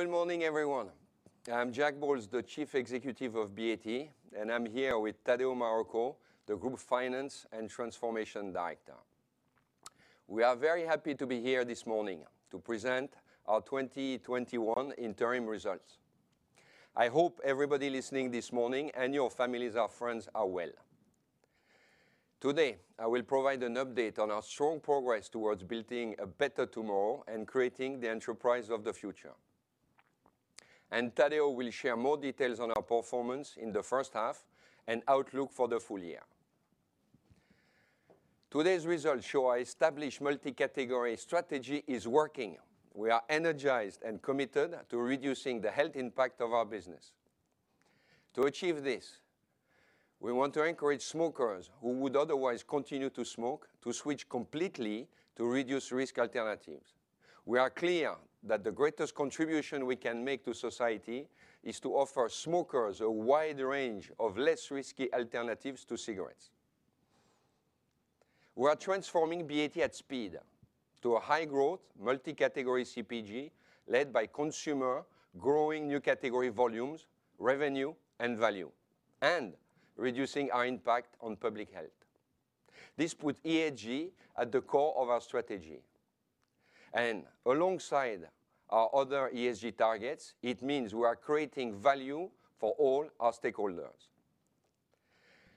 Good morning, everyone. I'm Jack Bowles, the Chief Executive of BAT, and I'm here with Tadeu Marroco, the Group Finance and Transformation Director. We are very happy to be here this morning to present our 2021 interim results. I hope everybody listening this morning, and your families or friends, are well. Today, I will provide an update on our strong progress towards building a better tomorrow and creating the Enterprise of the Future. Tadeu will share more details on our performance in the first half and outlook for the full year. Today's results show our established multi-category strategy is working. We are energized and committed to reducing the health impact of our business. To achieve this, we want to encourage smokers who would otherwise continue to smoke, to switch completely to reduced risk alternatives. We are clear that the greatest contribution we can make to society is to offer smokers a wide range of less risky alternatives to cigarettes. We are transforming BAT at speed to a high-growth, multi-category CPG led by consumer, growing new category volumes, revenue, and value, and reducing our impact on public health. This puts ESG at the core of our strategy. Alongside our other ESG targets, it means we are creating value for all our stakeholders.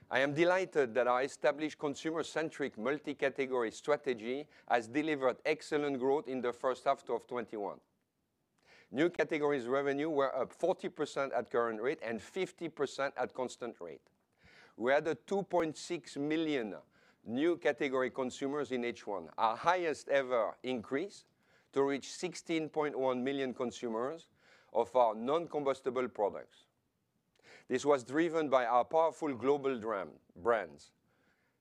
I am delighted that our established consumer-centric, multi-category strategy has delivered excellent growth in H1 2021. New Categories revenue were up 40% at current rate, and 50% at constant rate. We added 2.6 million new category consumers in H1, our highest ever increase, to reach 16.1 million consumers of our non-combustible products. This was driven by our powerful global brands,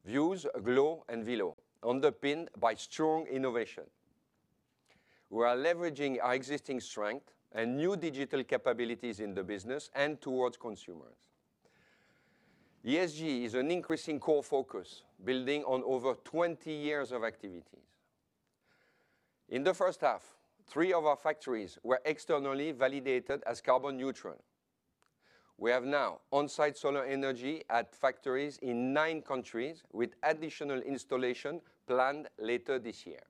Vuse, glo, and Velo, underpinned by strong innovation. We are leveraging our existing strength and new digital capabilities in the business and towards consumers. ESG is an increasing core focus, building on over 20 years of activities. In the first half, three of our factories were externally validated as carbon neutral. We have now on-site solar energy at factories in nine countries, with additional installation planned later this year.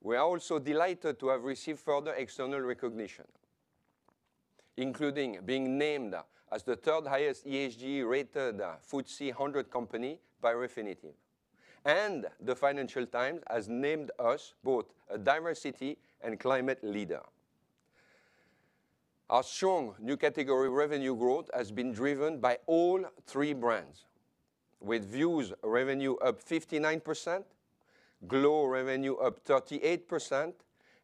We are also delighted to have received further external recognition, including being named as the third highest ESG-rated FTSE 100 company by Refinitiv. The Financial Times has named us both a diversity and climate leader. Our strong New Categories revenue growth has been driven by all three brands, with Vuse revenue up 59%, glo revenue up 38%,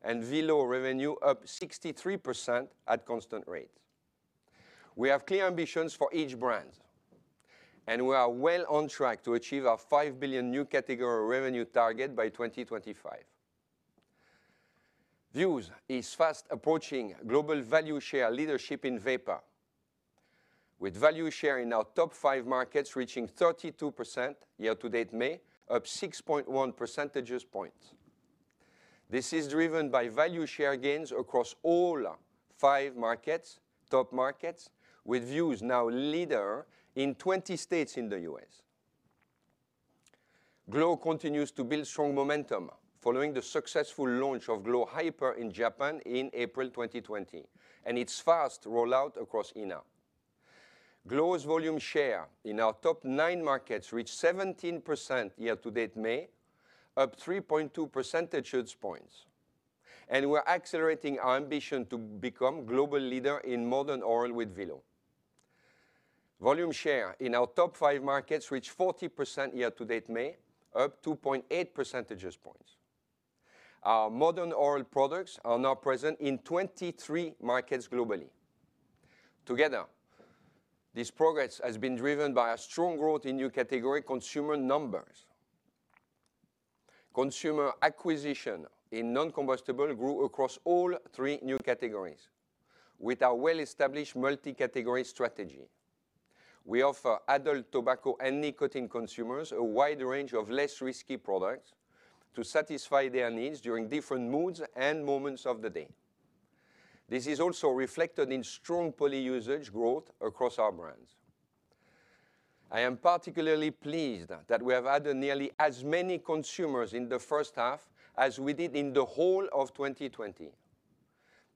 Velo revenue up 63% at constant rate. We have clear ambitions for each brand. We are well on track to achieve our $5 billion New Categories revenue target by 2025. Vuse is fast approaching global value share leadership in vapor, with value share in our top five markets reaching 32% year to date May, up 6.1 percentage points. This is driven by value share gains across all five top markets, with Vuse now leader in 20 states in the U.S. glo continues to build strong momentum following the successful launch of glo Hyper in Japan in April 2020, and its fast rollout across ENA. glo's volume share in our top nine markets reached 17% year to date May, up 3.2 percentage points. We're accelerating our ambition to become global leader in modern oral with Velo. Volume share in our top five markets reached 40% year to date May, up 2.8 percentage points. Our modern oral products are now present in 23 markets globally. Together, this progress has been driven by a strong growth in New Categories consumer numbers. Consumer acquisition in non-combustible grew across all three New Categories. With our well-established multi-category strategy, we offer adult tobacco and nicotine consumers a wide range of less risky products to satisfy their needs during different moods and moments of the day. This is also reflected in strong poly usage growth across our brands. I am particularly pleased that we have added nearly as many consumers in the first half as we did in the whole of 2020.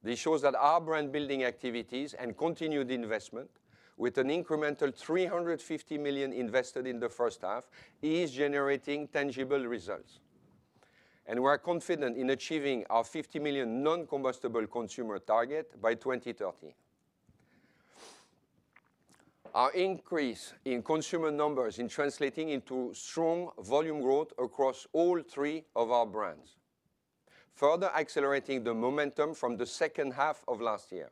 This shows that our brand-building activities and continued investment, with an incremental 350 million invested in the first half, is generating tangible results, and we're confident in achieving our 50 million non-combustible consumer target by 2030. Our increase in consumer numbers is translating into strong volume growth across all 3 of our brands, further accelerating the momentum from the second half of last year.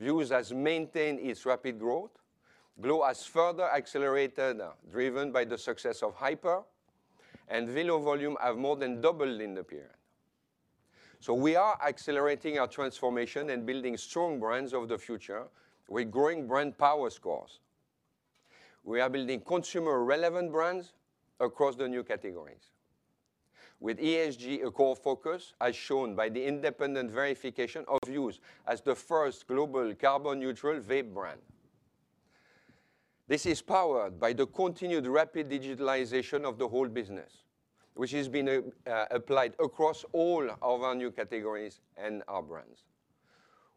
Vuse has maintained its rapid growth. glo has further accelerated, driven by the success of Hyper. Velo volume have more than doubled in the period. We are accelerating our transformation and building strong brands of the future with growing brand power scores. We are building consumer-relevant brands across the New Categories. With ESG a core focus, as shown by the independent verification of Vuse as the first global carbon-neutral vape brand. This is powered by the continued rapid digitalization of the whole business, which has been applied across all of our New Categories and our brands.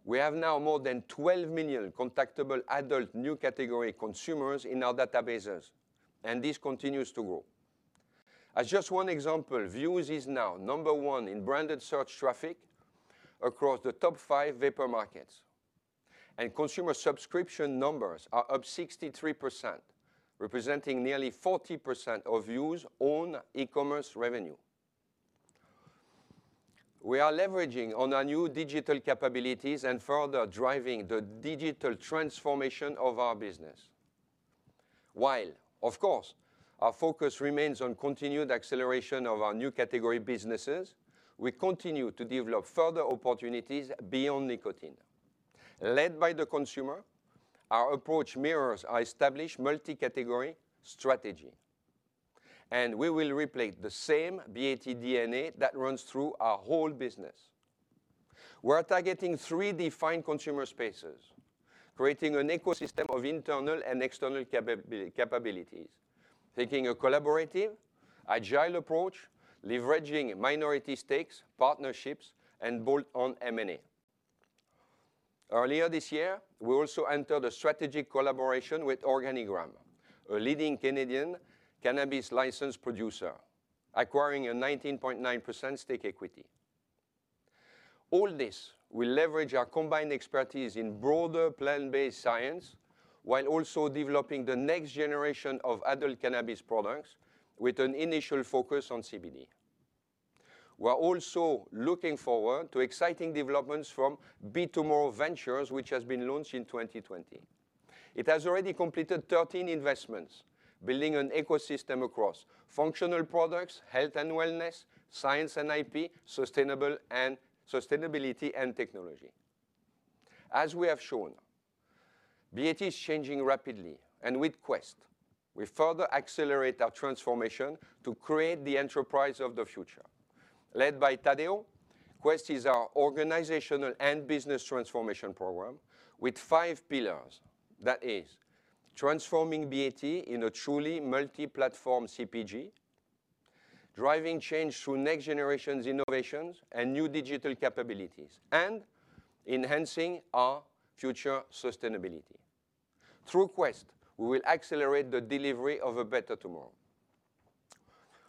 We have now more than 12 million contactable adult New Category consumers in our databases, and this continues to grow. As just one example, Vuse is now number one in branded search traffic across the top five vapor markets, and consumer subscription numbers are up 63%, representing nearly 40% of Vuse own e-commerce revenue. We are leveraging on our new digital capabilities and further driving the digital transformation of our business. Of course, our focus remains on continued acceleration of our New Categories businesses, we continue to develop further opportunities Beyond Nicotine. Led by the consumer, our approach mirrors our established multi-category strategy. We will replay the same BAT DNA that runs through our whole business. We're targeting three defined consumer spaces, creating an ecosystem of internal and external capabilities, taking a collaborative, agile approach, leveraging minority stakes, partnerships, and bolt-on M&A. Earlier this year, we also entered a strategic collaboration with Organigram, a leading Canadian cannabis licensed producer, acquiring a 19.9% stake equity. All this will leverage our combined expertise in broader plant-based science, while also developing the next generation of adult cannabis products with an initial focus on CBD. We are also looking forward to exciting developments from Btomorrow Ventures, which has been launched in 2020. It has already completed 13 investments, building an ecosystem across functional products, health and wellness, science and IP, sustainability, and technology. As we have shown, BAT is changing rapidly, and with Quest, we further accelerate our transformation to create the enterprise of the future. Led by Tadeu Marroco, Quest is our organizational and business transformation program with five pillars. That is transforming BAT in a truly multi-platform CPG, driving change through next generation's innovations and new digital capabilities, and enhancing our future sustainability. Through Quest, we will accelerate the delivery of a better tomorrow.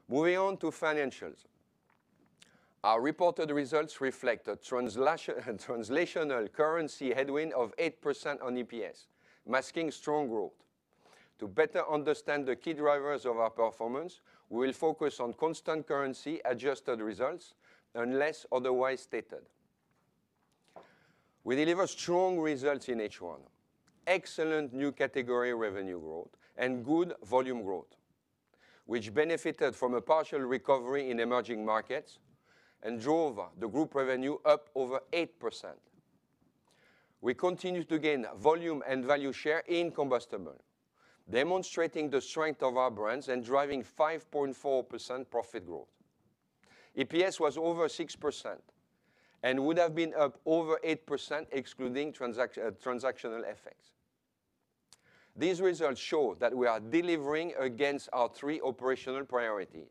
Moving on to financials. Our reported results reflect a translational currency headwind of 8% on EPS, masking strong growth. To better understand the key drivers of our performance, we'll focus on constant currency adjusted results unless otherwise stated. We deliver strong results in H1, excellent New Categories revenue growth, and good volume growth, which benefited from a partial recovery in emerging markets and drove the group revenue up over 8%. We continued to gain volume and value share in combustible, demonstrating the strength of our brands and driving 5.4% profit growth. EPS was over 6% and would have been up over 8%, excluding transactional effects. These results show that we are delivering against our 3 operational priorities.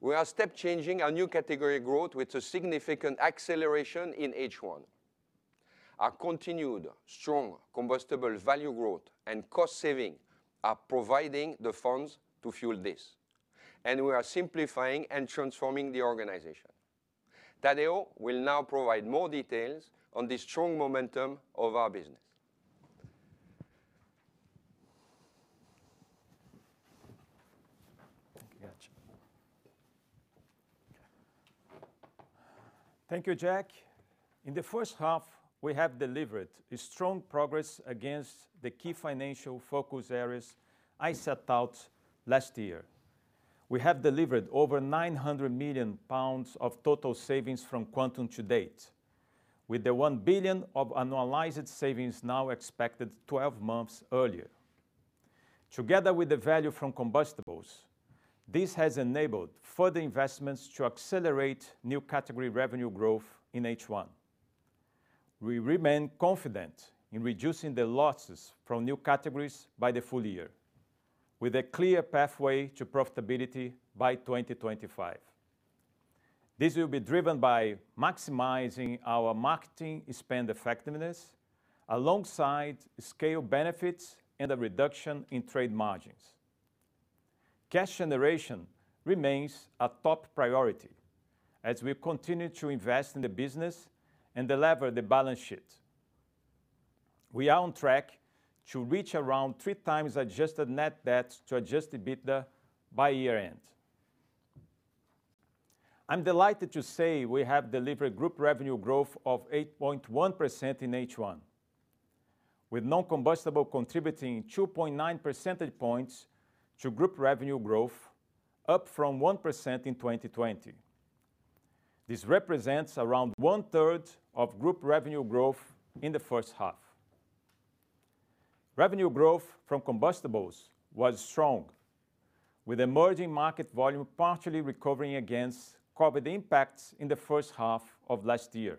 We are step-changing our New Categories growth with a significant acceleration in H1. Our continued strong combustible value growth and cost saving are providing the funds to fuel this, and we are simplifying and transforming the organization. Tadeu will now provide more details on the strong momentum of our business. Thank you, Jack. In the first half, we have delivered strong progress against the key financial focus areas I set out last year. We have delivered over 900 million pounds of total savings from Quantum to date, with the 1 billion of annualized savings now expected 12 months earlier. Together with the value from combustibles, this has enabled further investments to accelerate New Category revenue growth in H1. We remain confident in reducing the losses from New Categories by the full year, with a clear pathway to profitability by 2025. This will be driven by maximizing our marketing spend effectiveness alongside scale benefits and a reduction in trade margins. Cash generation remains a top priority as we continue to invest in the business and delever the balance sheet. We are on track to reach around 3x adjusted net debt to adjusted EBITDA by year-end. I'm delighted to say we have delivered group revenue growth of 8.1% in H1, with non-combustible contributing 2.9 percentage points to group revenue growth, up from 1% in 2020. This represents around 1/3 of group revenue growth in the first half. Revenue growth from combustibles was strong, with emerging market volume partially recovering against COVID impacts in the first half of last year.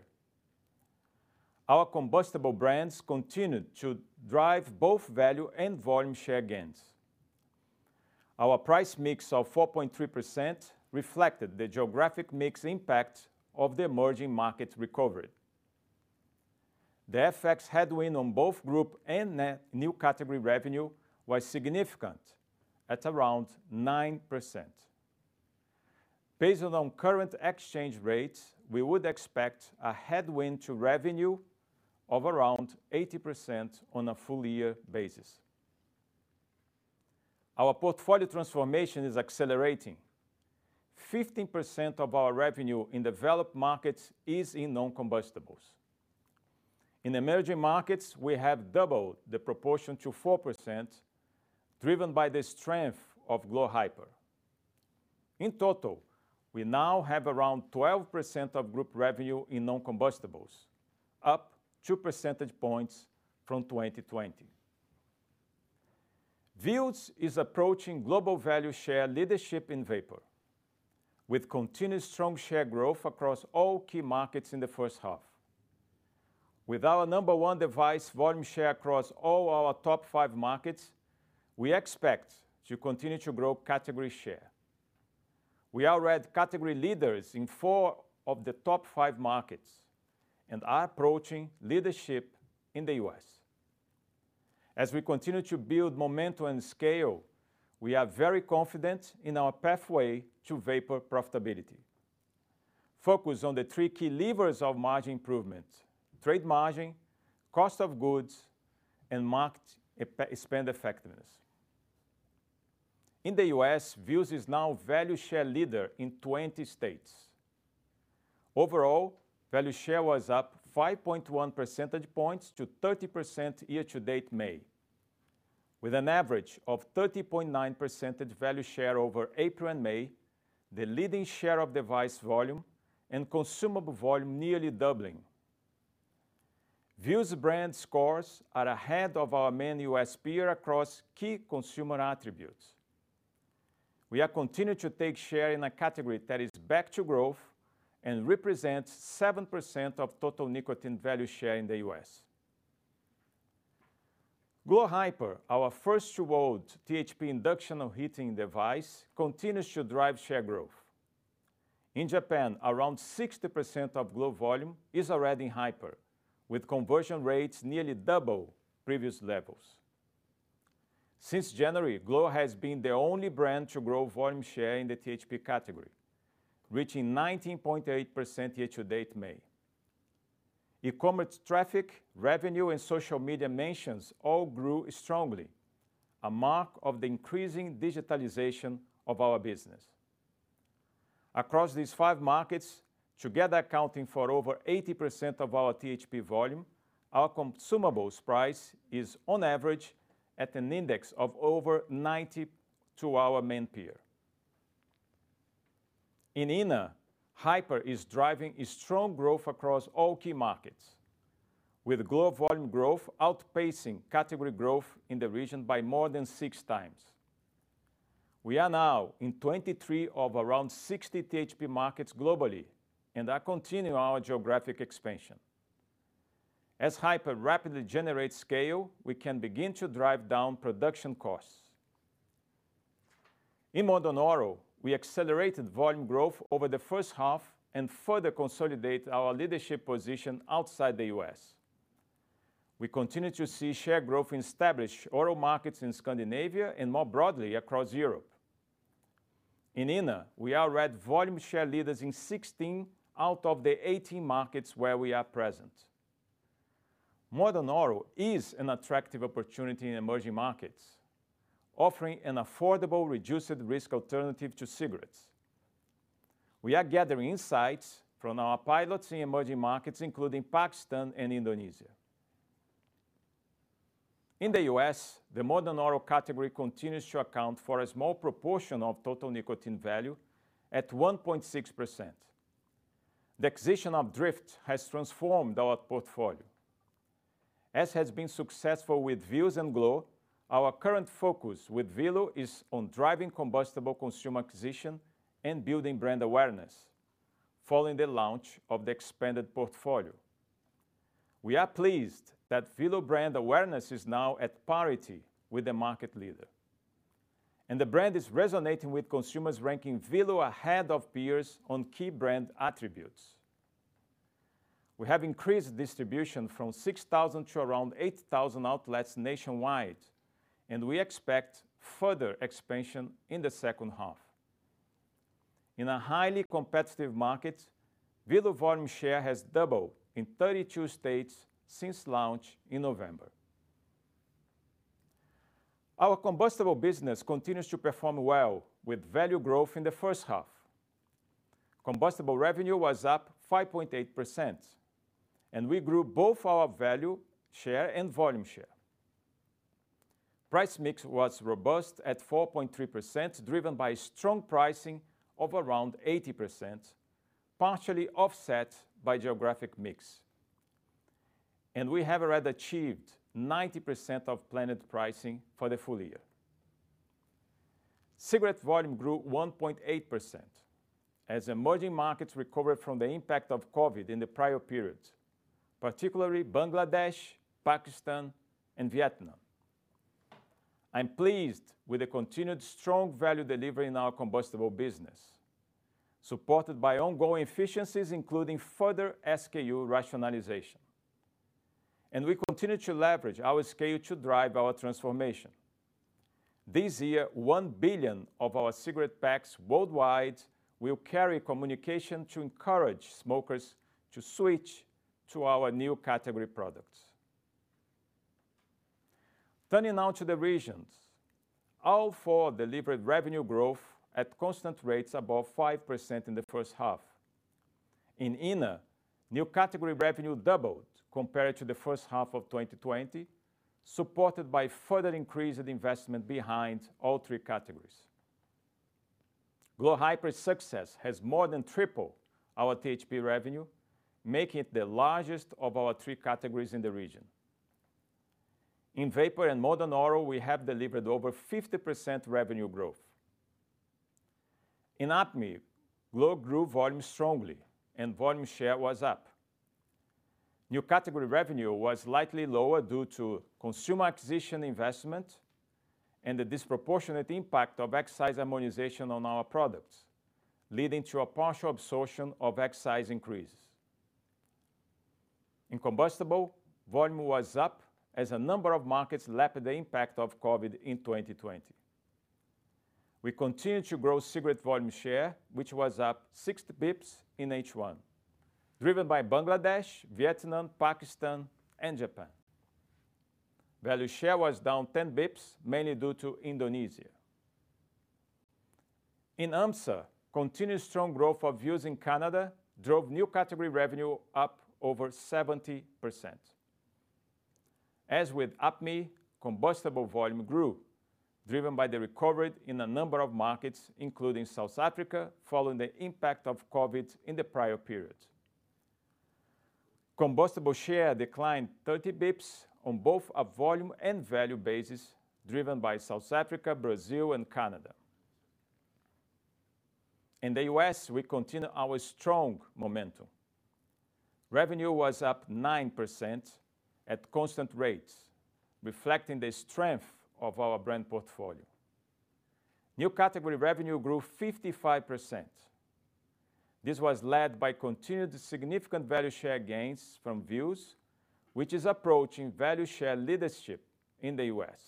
Our combustible brands continued to drive both value and volume share gains. Our price mix of 4.3% reflected the geographic mix impact of the emerging market recovery. The FX headwind on both group and net New Categories revenue was significant at around 9%. Based on current exchange rates, we would expect a headwind to revenue of around 80% on a full year basis. Our portfolio transformation is accelerating. 15% of our revenue in developed markets is in non-combustibles. In emerging markets, we have doubled the proportion to 4%, driven by the strength of glo Hyper. In total, we now have around 12% of group revenue in non-combustibles, up two percentage points from 2020. Vuse is approaching global value share leadership in vapor, with continued strong share growth across all key markets in the first half. With our number one device volume share across all our top 5 markets, we expect to continue to grow category share. We are already category leaders in 4 of the top 5 markets and are approaching leadership in the U.S. As we continue to build momentum and scale, we are very confident in our pathway to vapor profitability. Focus on the 3 key levers of margin improvement, trade margin, cost of goods, and market spend effectiveness. In the U.S., Vuse is now value share leader in 20 states. Overall, value share was up 5.1 percentage points to 30% year to date May. With an average of 30.9 percentage value share over April and May, the leading share of device volume and consumable volume nearly doubling. Vuse brand scores are ahead of our main U.S. peer across key consumer attributes. We are continuing to take share in a category that is back to growth and represents 7% of total nicotine value share in the U.S. glo Hyper, our first-to-world THP induction of heating device, continues to drive share growth. In Japan, around 60% of glo volume is already in Hyper, with conversion rates nearly double previous levels. Since January, glo has been the only brand to grow volume share in the THP category, reaching 19.8% year to date May. e-commerce traffic, revenue, and social media mentions all grew strongly, a mark of the increasing digitalization of our business. Across these five markets, together accounting for over 80% of our THP volume, our consumables price is on average at an index of over 90 to our main peer. In ENA, hyper is driving strong growth across all key markets, with glo volume growth outpacing category growth in the region by more than 6x. We are now in 23 of around 60 THP markets globally and are continuing our geographic expansion. As hyper rapidly generates scale, we can begin to drive down production costs. In modern oral, we accelerated volume growth over the first half and further consolidate our leadership position outside the U.S. We continue to see share growth in established oral markets in Scandinavia and more broadly across Europe. In ENA, we are already volume share leaders in 16 out of the 18 markets where we are present. Modern Oral is an attractive opportunity in emerging markets, offering an affordable, reduced risk alternative to cigarettes. We are gathering insights from our pilots in emerging markets, including Pakistan and Indonesia. In the U.S., the modern oral category continues to account for a small proportion of total nicotine value at 1.6%. The acquisition of Dryft has transformed our portfolio. As has been successful with Vuse and glo, our current focus with Velo is on driving combustible consumer acquisition and building brand awareness following the launch of the expanded portfolio. We are pleased that Velo brand awareness is now at parity with the market leader. The brand is resonating with consumers ranking Velo ahead of peers on key brand attributes. We have increased distribution from 6,000 to around 8,000 outlets nationwide, and we expect further expansion in the second half. In a highly competitive market, Velo volume share has doubled in 32 states since launch in November. Our combustible business continues to perform well with value growth in the first half. Combustible revenue was up 5.8%, and we grew both our value share and volume share. Price mix was robust at 4.3%, driven by strong pricing of around 80%, partially offset by geographic mix. We have already achieved 90% of planned pricing for the full year. Cigarette volume grew 1.8%, as emerging markets recovered from the impact of COVID in the prior period, particularly Bangladesh, Pakistan, and Vietnam. I'm pleased with the continued strong value delivery in our combustible business, supported by ongoing efficiencies, including further SKU rationalization. We continue to leverage our scale to drive our transformation. This year, 1 billion of our cigarette packs worldwide will carry communication to encourage smokers to switch to our New Categories products. Turning now to the regions. All 4 delivered revenue growth at constant rates above 5% in the first half. In ENA, New Categories revenue doubled compared to the first half of 2020, supported by further increased investment behind all 3 categories. glo Hyper success has more than tripled our THP revenue, making it the largest of our 3 categories in the region. In Vapor and Modern Oral, we have delivered over 50% revenue growth. In APMEA, glo grew volume strongly and volume share was up. New Categories revenue was slightly lower due to consumer acquisition investment and the disproportionate impact of excise harmonization on our products, leading to a partial absorption of excise increases. In Combustible, volume was up as a number of markets lapped the impact of COVID in 2020. We continued to grow cigarette volume share, which was up 60 basis points in H1, driven by Bangladesh, Vietnam, Pakistan, and Japan. Value share was down 10 basis points, mainly due to Indonesia. In AMSA, continued strong growth of Vuse in Canada drove New Category revenue up over 70%. As with APMEA, combustible volume grew, driven by the recovery in a number of markets, including South Africa, following the impact of COVID in the prior period. Combustible share declined 30 basis points on both a volume and value basis, driven by South Africa, Brazil, and Canada. In the U.S., we continue our strong momentum. Revenue was up 9% at constant rates, reflecting the strength of our brand portfolio. New Category revenue grew 55%. This was led by continued significant value share gains from Vuse, which is approaching value share leadership in the U.S.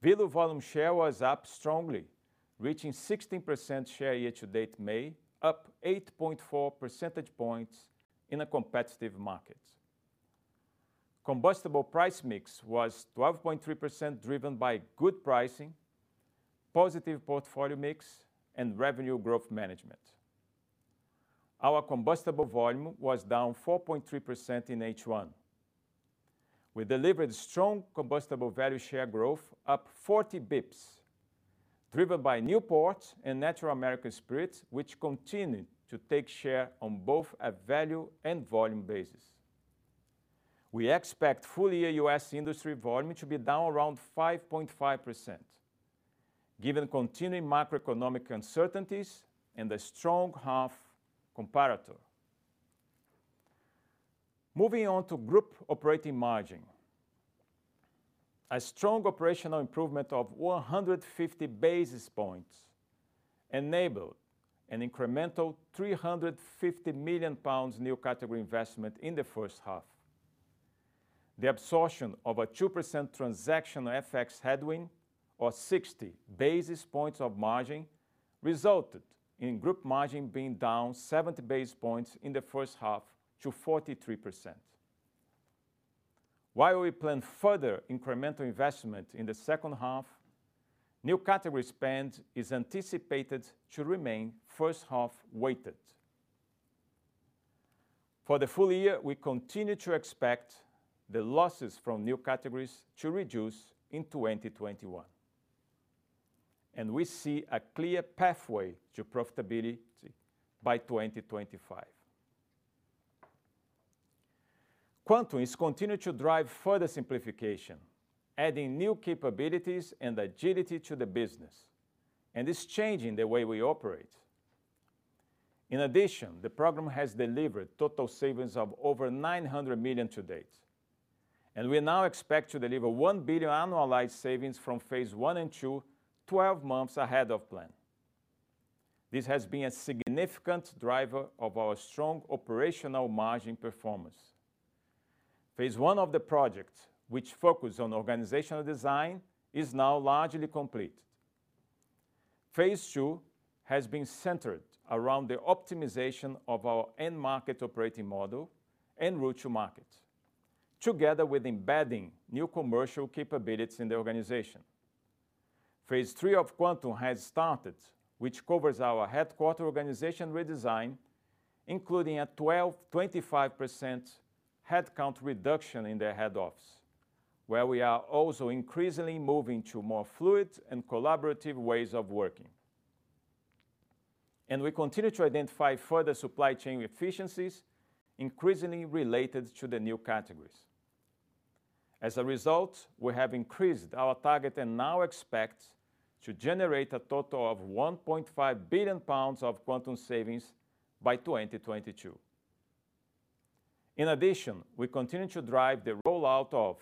Velo volume share was up strongly, reaching 16% share year-to-date May, up 8.4 percentage points in a competitive market. Combustible price mix was 12.3%, driven by good pricing, positive portfolio mix, and revenue growth management. Our combustible volume was down 4.3% in H1. We delivered strong combustible value share growth up 40 basis points, driven by Newport and Natural American Spirit, which continue to take share on both a value and volume basis. We expect full-year U.S. industry volume to be down around 5.5%, given continuing macroeconomic uncertainties and the strong half comparator. Moving on to group operating margin. A strong operational improvement of 150 basis points enabled an incremental 350 million pounds New Category investment in the first half. The absorption of a 2% transactional FX headwind, or 60 basis points of margin, resulted in group margin being down 70 basis points in the first half to 43%. While we plan further incremental investment in the second half, New Categories spend is anticipated to remain first-half weighted. For the full year, we continue to expect the losses from New Categories to reduce in 2021. We see a clear pathway to profitability by 2025. Quantum is continuing to drive further simplification, adding new capabilities and agility to the business, and is changing the way we operate. In addition, the program has delivered total savings of over 900 million to date, and we now expect to deliver 1 billion annualized savings from phase one and two 12 months ahead of plan. This has been a significant driver of our strong operational margin performance. Phase 1 of the project, which focused on organizational design, is now largely complete. Phase 2 has been centered around the optimization of our end-market operating model and route to market, together with embedding new commercial capabilities in the organization. Phase 3 of Quantum has started, which covers our headquarter organization redesign, including a 25% headcount reduction in the head office, where we are also increasingly moving to more fluid and collaborative ways of working. We continue to identify further supply chain efficiencies, increasingly related to the New Categories. As a result, we have increased our target and now expect to generate a total of 1.5 billion pounds of Quantum savings by 2022. In addition, we continue to drive the rollout of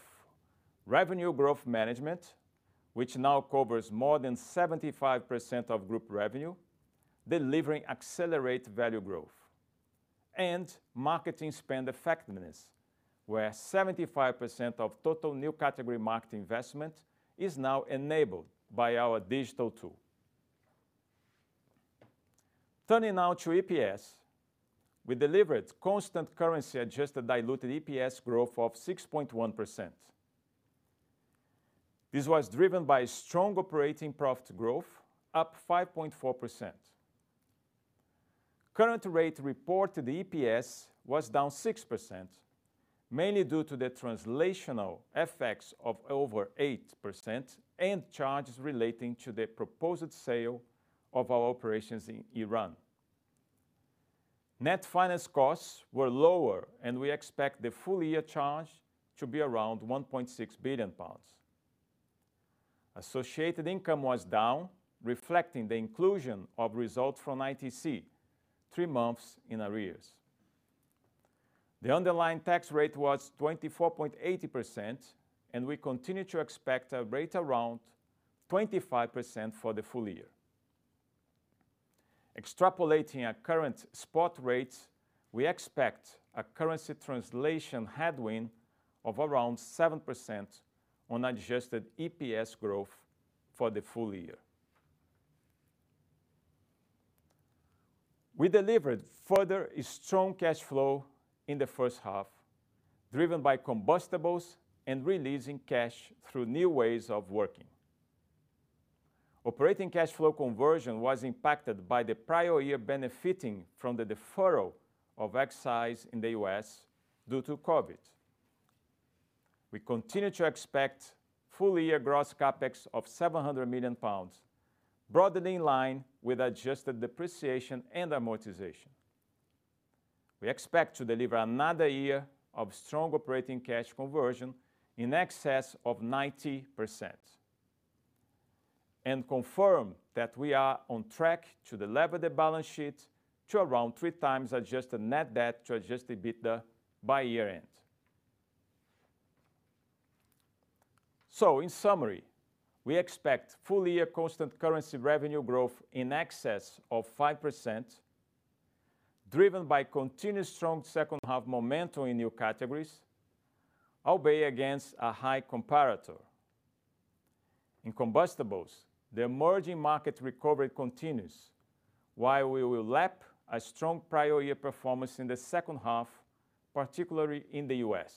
revenue growth management, which now covers more than 75% of group revenue, delivering accelerated value growth, and marketing spend effectiveness, where 75% of total New Categories marketing investment is now enabled by our digital tool. Turning now to EPS, we delivered constant currency adjusted diluted EPS growth of 6.1%. This was driven by strong operating profit growth up 5.4%. Current rate reported EPS was down 6%, mainly due to the translational effects of over 8% and charges relating to the proposed sale of our operations in Iran. Net finance costs were lower, and we expect the full year charge to be around 1.6 billion pounds. Associated income was down, reflecting the inclusion of results from ITC three months in arrears. The underlying tax rate was 24.80%, and we continue to expect a rate around 25% for the full year. Extrapolating our current spot rates, we expect a currency translation headwind of around 7% on adjusted EPS growth for the full year. We delivered further strong cash flow in the first half, driven by Combustibles and releasing cash through new ways of working. Operating cash flow conversion was impacted by the prior year benefiting from the deferral of excise in the U.S. due to COVID. We continue to expect full year gross CapEx of 700 million pounds, broadly in line with adjusted depreciation and amortization. We expect to deliver another year of strong operating cash conversion in excess of 90%, and confirm that we are on track to delever the balance sheet to around 3x adjusted net debt to adjusted EBITDA by year-end. In summary, we expect full year constant currency revenue growth in excess of 5%, driven by continued strong second half momentum in New Categories, albeit against a high comparator. In Combustibles, the emerging market recovery continues while we will lap a strong prior year performance in the second half, particularly in the U.S.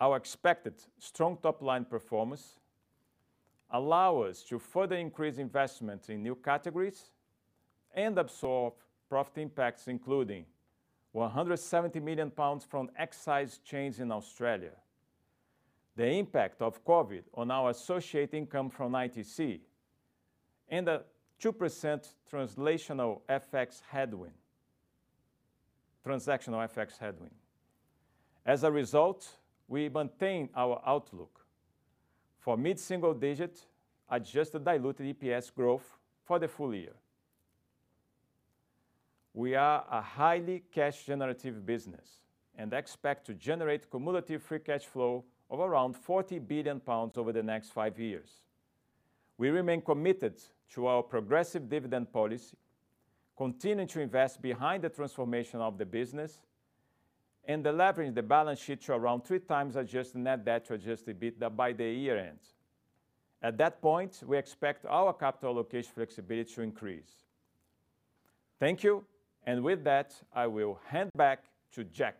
Our expected strong top-line performance allow us to further increase investment in New Categories and absorb profit impacts, including 170 million pounds from excise change in Australia, the impact of COVID on our associate income from ITC, and a 2% translational FX headwind. Transactional FX headwind. We maintain our outlook for mid-single digit adjusted diluted EPS growth for the full year. We are a highly cash generative business and expect to generate cumulative free cash flow of around 40 billion pounds over the next five years. We remain committed to our progressive dividend policy, continuing to invest behind the transformation of the business and delevering the balance sheet to around 3x adjusted net debt to adjusted EBITDA by the year-end. At that point, we expect our capital location flexibility to increase. Thank you. With that, I will hand back to Jack.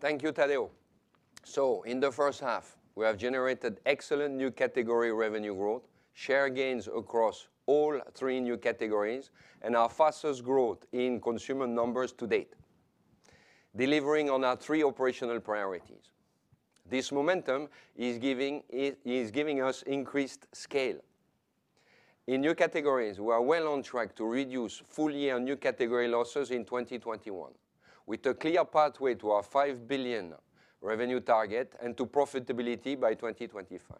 Thank you, Tadeu. In the first half, we have generated excellent New Categories revenue growth, share gains across all three New Categories, and our fastest growth in consumer numbers to date, delivering on our three operational priorities. This momentum is giving us increased scale. In New Categories, we are well on track to reduce full year New Categories losses in 2021 with a clear pathway to our 5 billion revenue target and to profitability by 2025.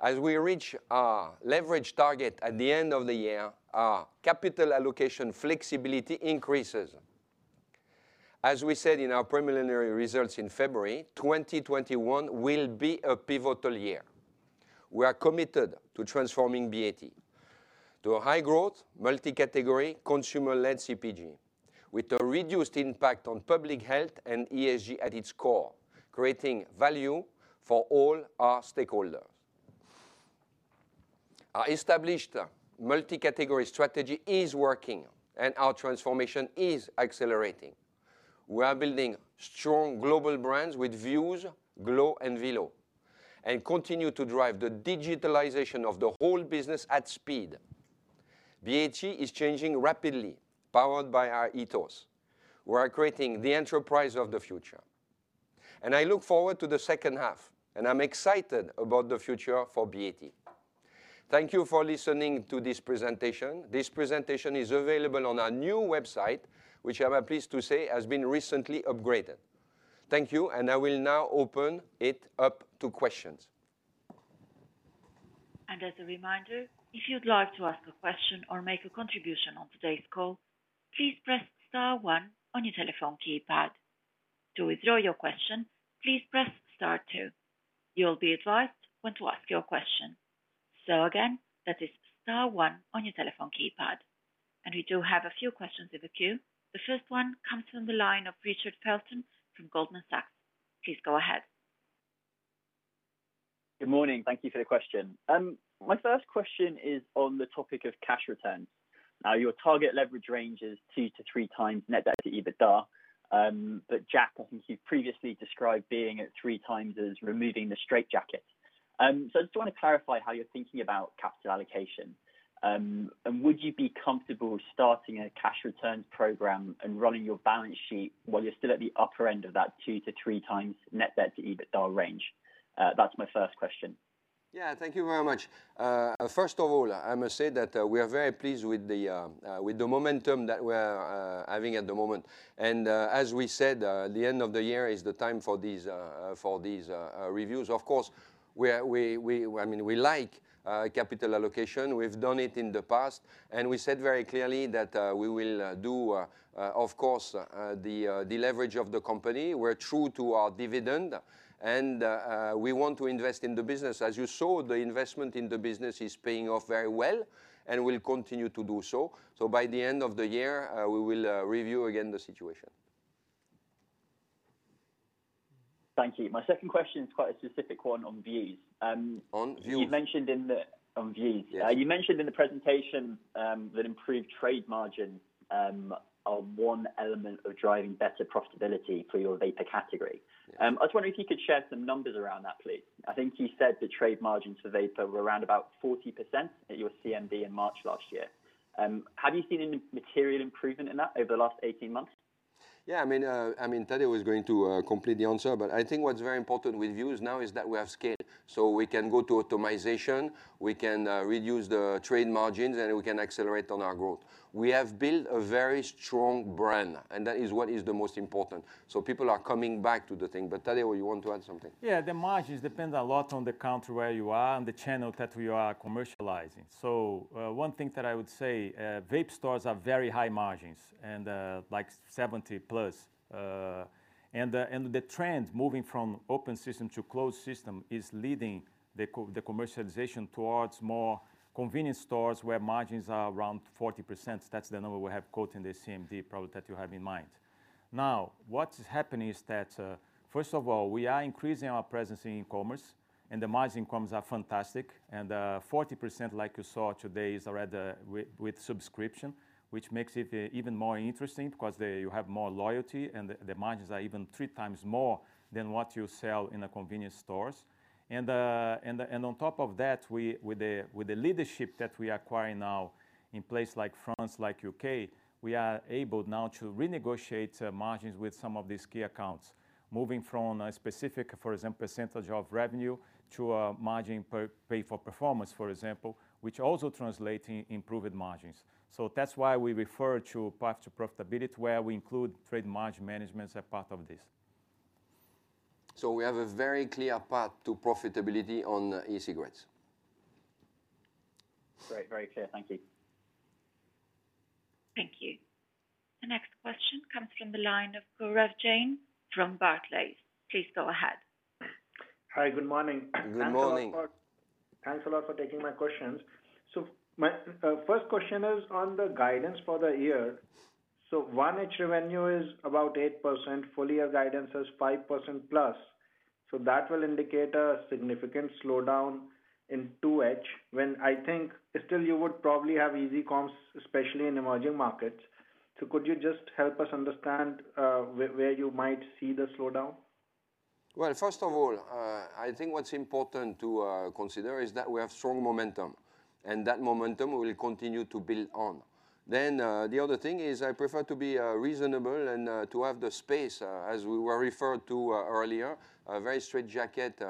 As we reach our leverage target at the end of the year, our capital allocation flexibility increases. As we said in our preliminary results in February, 2021 will be a pivotal year. We are committed to transforming BAT to a high growth, multi-category, consumer-led CPG with a reduced impact on public health and ESG at its core, creating value for all our stakeholders. Our established multi-category strategy is working, and our transformation is accelerating. We are building strong global brands with Vuse, glo and Velo, and continue to drive the digitalization of the whole business at speed. BAT is changing rapidly, powered by our ethos. We are creating the enterprise of the future. I look forward to the second half, and I'm excited about the future for BAT. Thank you for listening to this presentation. This presentation is available on our new website, which I'm pleased to say has been recently upgraded. Thank you, and I will now open it up to questions. As a reminder, if you'd like to ask a question or make a contribution on today's call, please press star 1 on your telephone keypad. To withdraw your question, please press star 2. You'll be advised when to ask your question. Again, that is star 1 on your telephone keypad. We do have a few questions in the queue. The first one comes from the line of Richard Felton from Goldman Sachs. Please go ahead. Good morning. Thank you for the question. My first question is on the topic of cash returns. Now your target leverage range is 2x-3x net debt to EBITDA. Jack, I think you previously described being at 3x as removing the straitjacket. I just want to clarify how you're thinking about capital allocation. Would you be comfortable starting a cash returns program and running your balance sheet while you're still at the upper end of that 2x-3x net debt to EBITDA range? That's my first question. Thank you very much. First of all, I must say that we are very pleased with the momentum that we're having at the moment. As we said, the end of the year is the time for these reviews. Of course, we like capital allocation. We've done it in the past, and we said very clearly that we will do, of course, the leverage of the company. We're true to our dividend, and we want to invest in the business. As you saw, the investment in the business is paying off very well and will continue to do so. By the end of the year, we will review again the situation. Thank you. My second question is quite a specific one on Vuse. You mentioned in the on Vuse. You mentioned in the presentation that improved trade margin is one element of driving better profitability for your vapor category. I was wondering if you could share some numbers around that, please. I think you said the trade margins for vapor were around about 40% at your CMD in March last year. Have you seen any material improvement in that over the last 18 months? Tadeu was going to complete the answer, but I think what's very important with Vuse now is that we have scale. We can go to automation, we can reduce the trade margins, and we can accelerate on our growth. We have built a very strong brand, and that is what is the most important. People are coming back to the thing. Tadeu, you want to add something? Yeah. The margins depend a lot on the country where you are and the channel that we are commercializing. One thing that I would say, vape stores are very high margins, like 70+. The trend moving from open system to closed system is leading the commercialization towards more convenience stores where margins are around 40%. That's the number we have quoted in the CMD probably that you have in mind. What is happening is that, first of all, we are increasing our presence in e-commerce, and the margin e-coms are fantastic, and 40%, like you saw today, is already with subscription, which makes it even more interesting because there you have more loyalty and the margins are even 3x more than what you sell in the convenience stores. On top of that, with the leadership that we acquire now in place like France, like U.K., we are able now to renegotiate margins with some of these key accounts. Moving from a specific, for example, percentage of revenue to a margin pay for performance, for example, which also translates in improved margins. That's why we refer to path to profitability where we include trade margin management as a part of this. We have a very clear path to profitability on e-cigarettes. Great. Very clear. Thank you. Thank you. The next question comes from the line of Gaurav Jain from Barclays. Please go ahead. Hi. Good morning. Good morning. Thanks a lot for taking my questions. My first question is on the guidance for the year. 1H revenue is about 8%, full-year guidance is 5%+. That will indicate a significant slowdown in 2H when I think still you would probably have easy comps, especially in emerging markets. Could you just help us understand where you might see the slowdown? Well, first of all, I think what's important to consider is that we have strong momentum, and that momentum will continue to build on. The other thing is I prefer to be reasonable and to have the space, as we were referred to earlier, a very straitjacket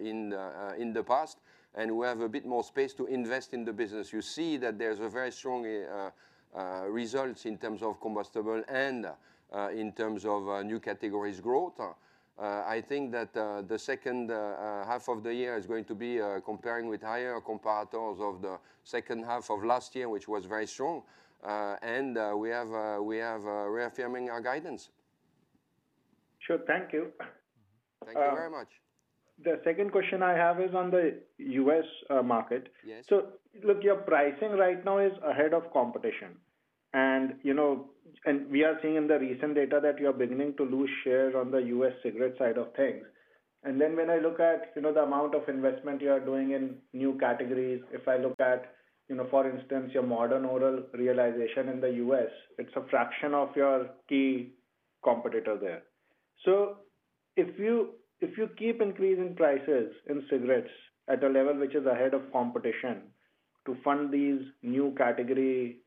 in the past, and we have a bit more space to invest in the business. You see that there's a very strong results in terms of combustible and in terms of New Categories growth. I think that the second half of the year is going to be comparing with higher comparators of the second half of last year, which was very strong. We are affirming our guidance. Sure. Thank you. Thank you very much. The second question I have is on the U.S. market. Look, your pricing right now is ahead of competition. We are seeing in the recent data that you're beginning to lose shares on the U.S. cigarette side of things. Then when I look at the amount of investment you are doing in New Categories, if I look at, for instance, your modern oral realization in the U.S., it's a fraction of your key competitor there. If you keep increasing prices in cigarettes at a level which is ahead of competition to fund these New Category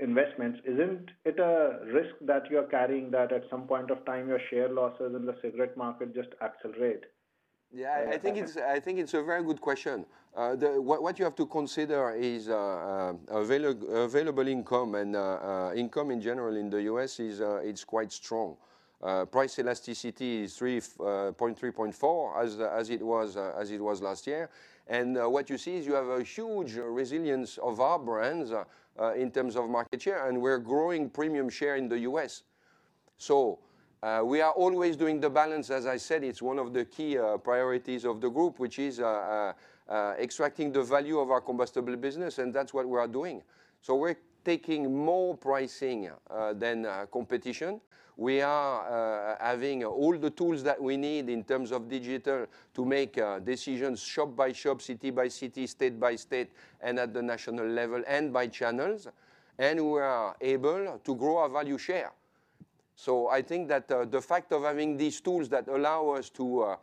investments, isn't it a risk that you're carrying that at some point of time, your share losses in the cigarette market just accelerate? Yeah, I think it's a very good question. What you have to consider is available income and income, in general, in the U.S. is quite strong. Price elasticity is 3.3.4 as it was last year. What you see is you have a huge resilience of our brands in terms of market share, and we're growing premium share in the U.S. We are always doing the balance. As I said, it's one of the key priorities of the group, which is extracting the value of our combustible business, and that's what we are doing. We're taking more pricing than competition. We are having all the tools that we need in terms of digital to make decisions shop by shop, city by city, state by state, and at the national level, and by channels. We are able to grow our value share. I think that the fact of having these tools that allow us to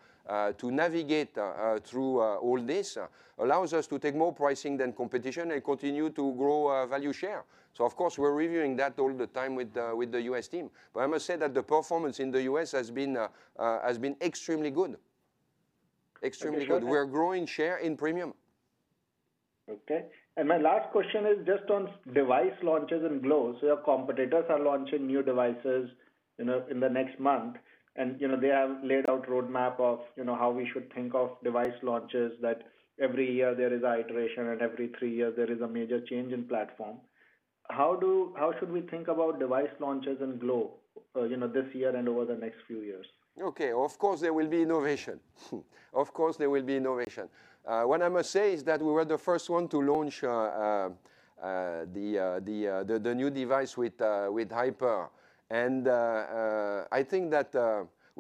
navigate through all this allows us to take more pricing than competition and continue to grow our value share. Of course, we're reviewing that all the time with the U.S. team. I must say that the performance in the U.S. has been extremely good. Understood. We're growing share in premium. My last question is just on device launches and glo. Your competitors are launching new devices in the next month, and they have laid out roadmap of how we should think of device launches that every year there is iteration, and every three years there is a major change in platform. How should we think about device launches and glo this year and over the next few years? Okay. Of course, there will be innovation. Of course, there will be innovation. What I must say is that we were the first one to launch the new device with glo Hyper. I think that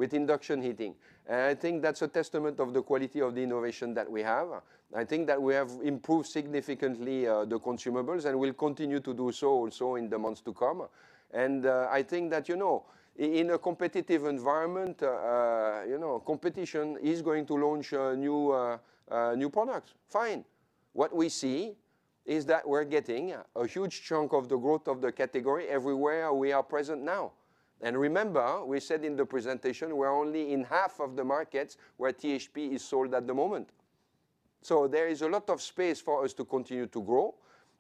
with induction heating, that's a testament of the quality of the innovation that we have. I think that we have improved significantly the consumables, and we'll continue to do so also in the months to come. I think that in a competitive environment, competition is going to launch new products. Fine. What we see is that we're getting a huge chunk of the growth of the category everywhere we are present now. Remember, we said in the presentation, we're only in half of the markets where THP is sold at the moment. There is a lot of space for us to continue to grow.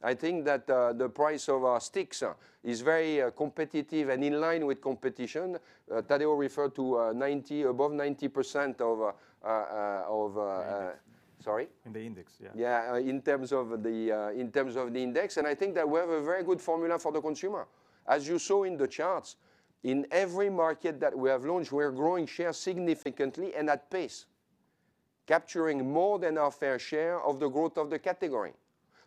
I think that the price of our sticks is very competitive and in line with competition. Tadeu referred to above 90% of in the index, yeah. In terms of the index. I think that we have a very good formula for the consumer. As you saw in the charts, in every market that we have launched, we are growing share significantly and at pace, capturing more than our fair share of the growth of the category.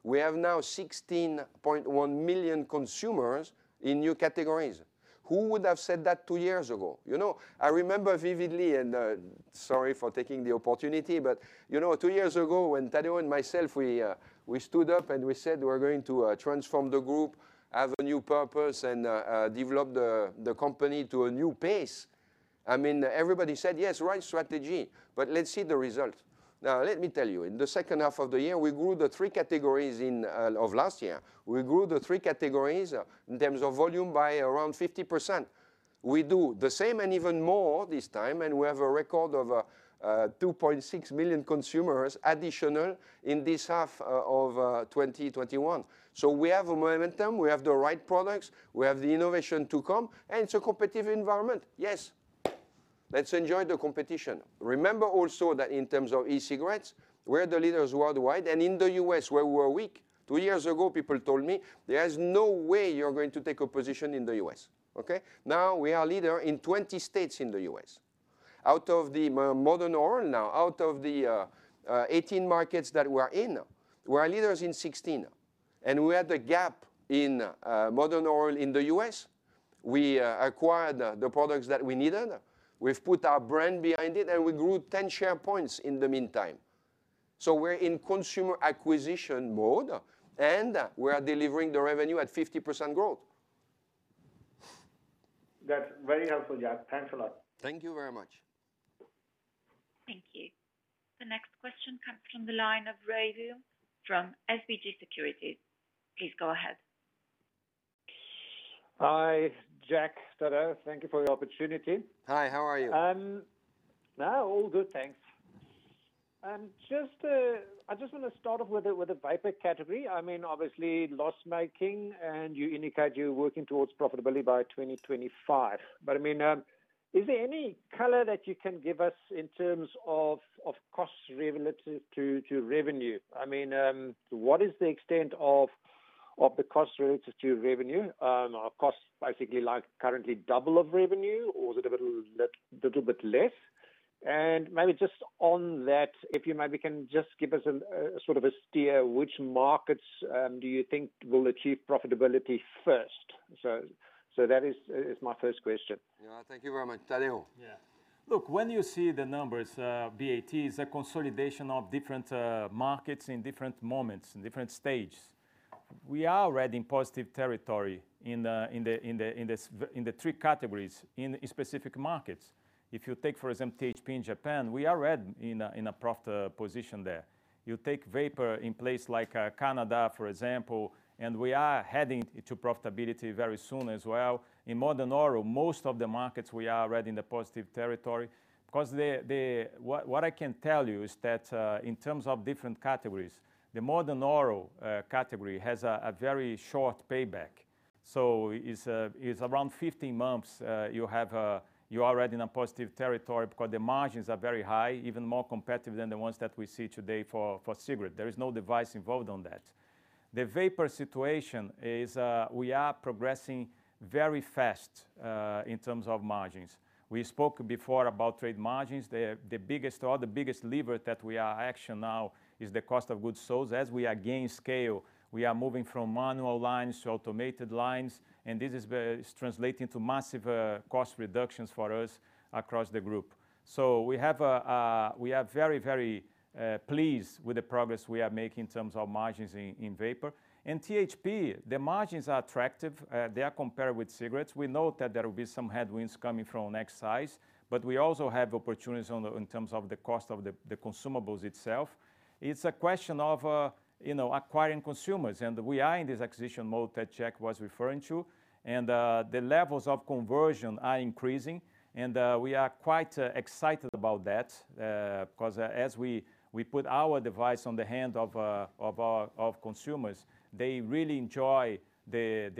We have now 16.1 million consumers in New Categories. Who would have said that two years ago? I remember vividly, sorry for taking the opportunity, two years ago when Tadeu and myself, we stood up, and we said we're going to transform the group, have a new purpose, and develop the company to a new pace. Everybody said, "Yes, right strategy, but let's see the result." Now let me tell you, in the second half of the year, we grew the three categories of last year. We grew the three categories in terms of volume by around 50%. We do the same and even more this time, and we have a record of 2.6 million consumers additional in this half of 2021. We have a momentum, we have the right products, we have the innovation to come, and it's a competitive environment. Yes. Let's enjoy the competition. Remember also that in terms of e-cigarettes, we're the leaders worldwide. In the U.S., where we were weak, two years ago, people told me, "There is no way you're going to take a position in the U.S." Okay. Now we are leader in 20 states in the U.S. Out of the modern oral now, out of the 18 markets that we are in, we are leaders in 16. We had a gap in modern oral in the U.S. We acquired the products that we needed. We've put our brand behind it, and we grew 10 share points in the meantime. We're in consumer acquisition mode, and we are delivering the revenue at 50% growth. That's very helpful, Jack. Thanks a lot. Thank you very much. Thank you. The next question comes from the line of Radhi from SBG Securities. Please go ahead. Hi, Jack, Tadeu. Thank you for the opportunity. Hi, how are you? Now, all good, thanks. I just want to start off with the Vype category. Obviously loss-making, and you indicate you're working towards profitability by 2025. Is there any color that you can give us in terms of cost relative to revenue? What is the extent of the cost relative to revenue? Are costs basically like currently 2x of revenue, or is it a little bit less? Maybe just on that, if you maybe can just give us a steer, which markets do you think will achieve profitability first? That is my first question. Yeah. Thank you very much. Tadeu? Look, when you see the numbers, BAT is a consolidation of different markets in different moments, in different stages. We are already in positive territory in the three categories, in specific markets. If you take, for example, THP in Japan, we are already in a profit position there. You take vapor in places like Canada, for example, we are heading to profitability very soon as well. In modern oral, most of the markets we are already in the positive territory. What I can tell you is that, in terms of different categories, the modern oral category has a very short payback. It's around 15 months, you are already in a positive territory because the margins are very high, even more competitive than the ones that we see today for cigarette. There is no device involved in that. The vapor situation is, we are progressing very fast in terms of margins. We spoke before about trade margins. The biggest lever that we are action now is the cost of goods sold. As we gain scale, we are moving from manual lines to automated lines, and this is translating to massive cost reductions for us across the group. We are very, very pleased with the progress we are making in terms of margins in vapor. In THP, the margins are attractive. They are compared with cigarettes. We know that there will be some headwinds coming from excise, but we also have opportunities in terms of the cost of the consumables itself. It's a question of acquiring consumers, and we are in this acquisition mode that Jack was referring to. The levels of conversion are increasing, and we are quite excited about that. As we put our device on the hand of consumers, they really enjoy either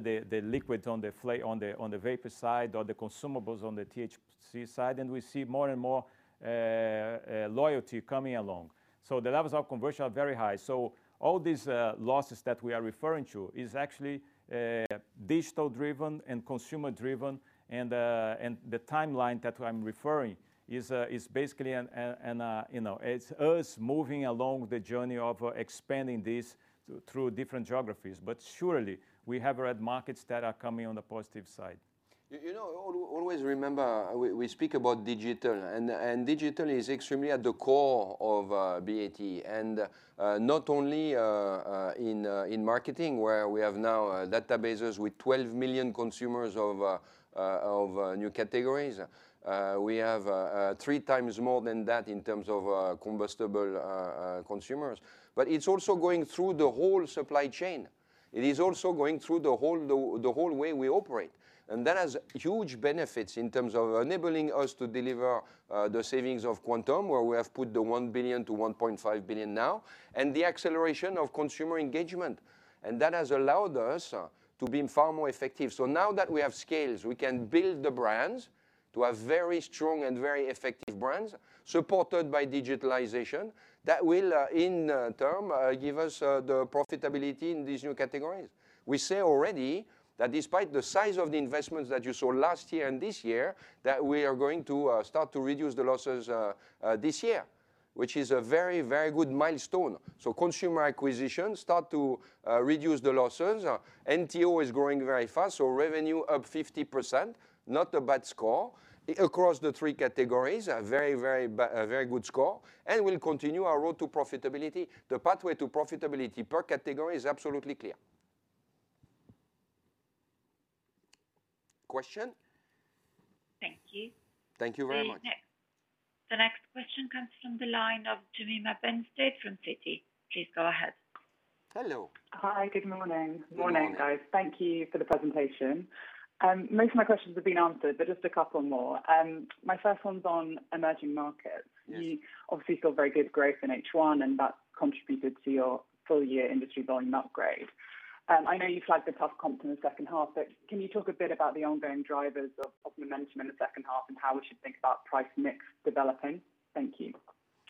the liquid on the vapor side or the consumables on the THP side, and we see more and more loyalty coming along. The levels of conversion are very high. All these losses that we are referring to is actually digital-driven and consumer-driven. The timeline that I'm referring is basically us moving along the journey of expanding this through different geographies. Surely, we have red markets that are coming on the positive side. Always remember, we speak about digital is extremely at the core of BAT. Not only in marketing, where we have now databases with 12 million consumers of New Categories. We have 3x more than that in terms of combustible consumers. It's also going through the whole supply chain. It is also going through the whole way we operate. That has huge benefits in terms of enabling us to deliver the savings of Quantum, where we have put the 1 billion-1.5 billion now, and the acceleration of consumer engagement. That has allowed us to be far more effective. Now that we have scales, we can build the brands to have very strong and very effective brands, supported by digitalization, that will, in term, give us the profitability in these New Categories. We say already that despite the size of the investments that you saw last year and this year, that we are going to start to reduce the losses this year, which is a very good milestone. Consumer acquisitions start to reduce the losses. NTO is growing very fast, revenue up 50%, not a bad score. Across the 3 categories, a very good score. We'll continue our road to profitability. The pathway to profitability per category is absolutely clear. Question? Thank you. Thank you very much. The next question comes from the line of Jemima Benstead from Citi. Please go ahead. Hello. Hi, good morning. Good morning. Morning, guys. Thank you for the presentation. Most of my questions have been answered, but just a couple more. My first one's on emerging markets. You obviously saw very good growth in H1, and that contributed to your full-year industry volume upgrade. I know you flagged a tough comp in the second half, but can you talk a bit about the ongoing drivers of volume management in the second half, and how we should think about price mix developing? Thank you.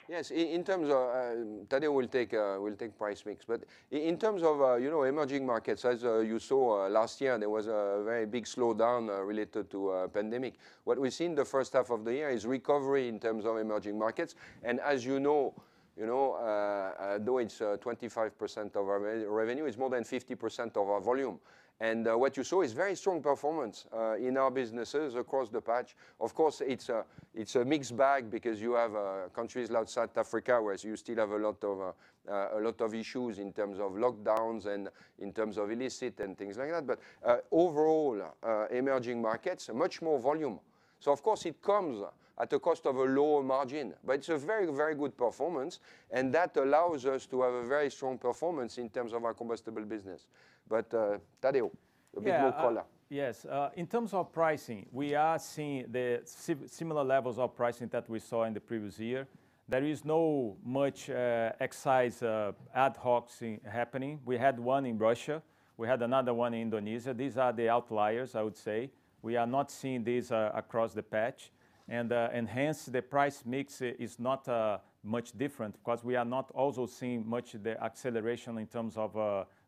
Yes. Tadeu will take price mix. In terms of emerging markets, as you saw last year, there was a very big slowdown related to pandemic. What we see in the first half of the year is recovery in terms of emerging markets. As you know, though it's 25% of our revenue, it's more than 50% of our volume. What you saw is very strong performance in our businesses across the patch. Of course, it's a mixed bag because you have countries like South Africa, where you still have a lot of issues in terms of lockdowns and in terms of illicit and things like that. Overall, emerging markets are much more volume. Of course it comes at a cost of a lower margin, but it's a very good performance, and that allows us to have a very strong performance in terms of our combustible business. Tadeu, a bit more color. Yeah. Yes. In terms of pricing, we are seeing the similar levels of pricing that we saw in the previous year. There is not much excise ad hocs happening. We had one in Russia, we had another one in Indonesia. These are the outliers, I would say. We are not seeing this across the patch. Hence, the price mix is not much different because we are not also seeing much of the acceleration in terms of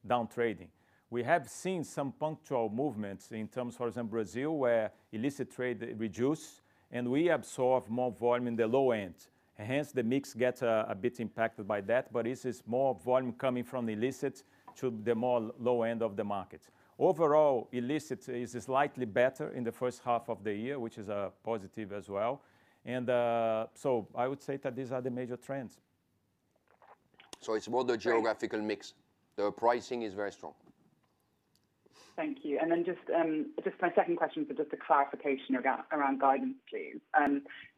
down trading. We have seen some punctual movements in terms, for example, Brazil, where illicit trade reduced, and we absorb more volume in the low end. Hence, the mix gets a bit impacted by that, but this is more volume coming from illicit to the more low end of the market. Overall, illicit is slightly better in the first half of the year, which is a positive as well. I would say that these are the major trends. It's more the geographical mix. The pricing is very strong. Thank you. Then just my second question for just a clarification around guidance, please.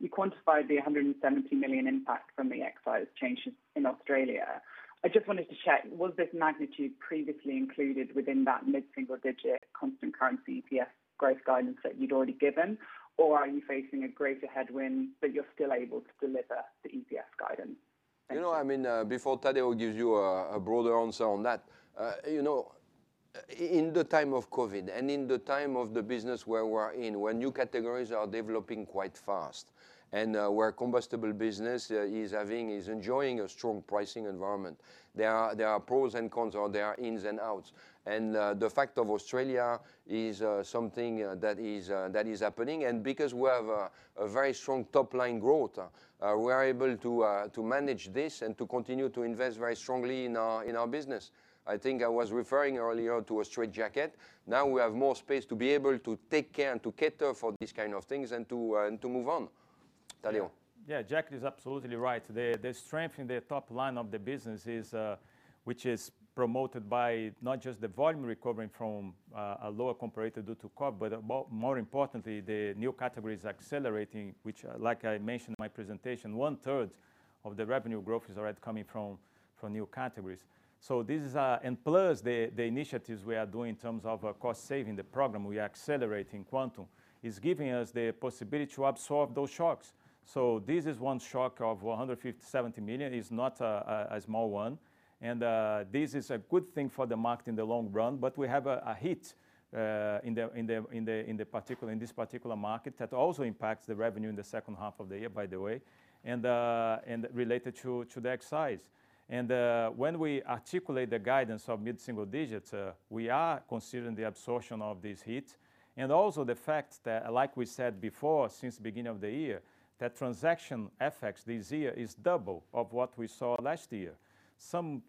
You quantified the 170 million impact from the excise changes in Australia. I just wanted to check, was this magnitude previously included within that mid-single digit constant currency EPS growth guidance that you'd already given? Are you facing a greater headwind, but you're still able to deliver the EPS guidance? Thank you. Before Tadeu gives you a broader answer on that, in the time of COVID and in the time of the business where we're in, where New Categories are developing quite fast and where combustible business is enjoying a strong pricing environment, there are pros and cons or there are ins and outs. The fact of Australia is something that is happening. Because we have a very strong top-line growth, we are able to manage this and to continue to invest very strongly in our business. I think I was referring earlier to a straitjacket. Now we have more space to be able to take care and to cater for these kind of things and to move on. Tadeu? Jack is absolutely right. The strength in the top line of the business, which is promoted by not just the volume recovering from a lower comparator due to COVID, but more importantly, the New Categories accelerating, which like I mentioned in my presentation, 1/3 of the revenue growth is already coming from New Categories. Plus the initiatives we are doing in terms of cost saving, the program we are accelerating, Quantum, is giving us the possibility to absorb those shocks. This is one shock of 170 million. It is not a small one and this is a good thing for the market in the long run, but we have a hit in this particular market that also impacts the revenue in the second half of the year, by the way, and related to the excise. When we articulate the guidance of mid-single digits, we are considering the absorption of this hit and also the fact that, like we said before, since the beginning of the year, that transaction effects this year is double of what we saw last year. Some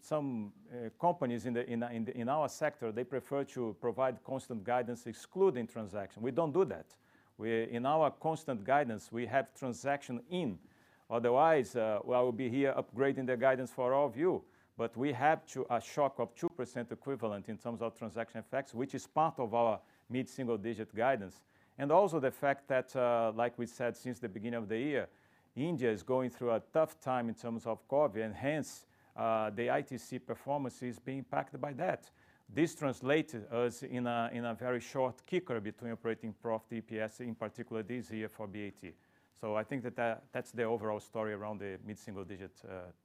companies in our sector, they prefer to provide constant guidance excluding transaction. We don't do that. In our constant guidance, we have transaction in, otherwise, we would be here upgrading the guidance for all of you. We have a shock of 2% equivalent in terms of transaction effects, which is part of our mid-single digit guidance. Also the fact that, like we said since the beginning of the year, India is going through a tough time in terms of COVID and hence, the ITC performance is being impacted by that. This translated us in a very short kicker between operating profit EPS in particular this year for BAT. I think that's the overall story around the mid-single digit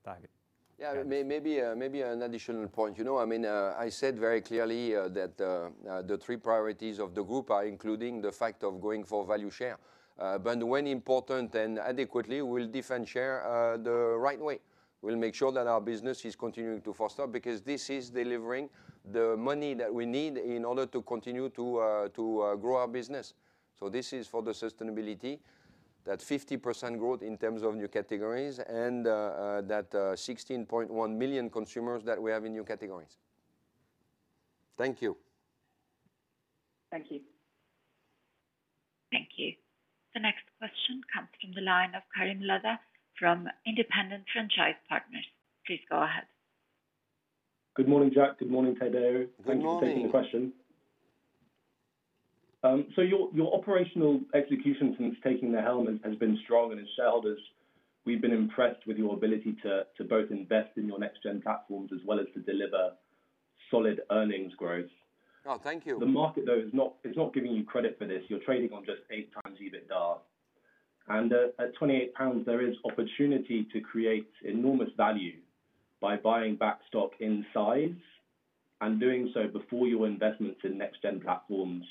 target. Yeah, maybe an additional point. I said very clearly that the three priorities of the group are including the fact of going for value share. Brand when important and adequately, we'll defend share the right way. We'll make sure that our business is continuing to foster, because this is delivering the money that we need in order to continue to grow our business. This is for the sustainability, that 50% growth in terms of New Categories and that 16.1 million consumers that we have in New Categories. Thank you. Thank you. Thank you. The next question comes from the line of Karim Lada from Independent Franchise Partners. Please go ahead. Good morning, Jack Bowles. Good morning, Tadeu Marroco. Good morning. Thank you for taking the question. Your operational execution since taking the helm has been strong and as shareholders we've been impressed with your ability to both invest in your next gen platforms as well as to deliver solid earnings growth. Oh, thank you. The market, though, is not giving you credit for this. You're trading on just 8x EBITDA. At 28 pounds, there is opportunity to create enormous value by buying back stock in size and doing so before your investments in next-gen platforms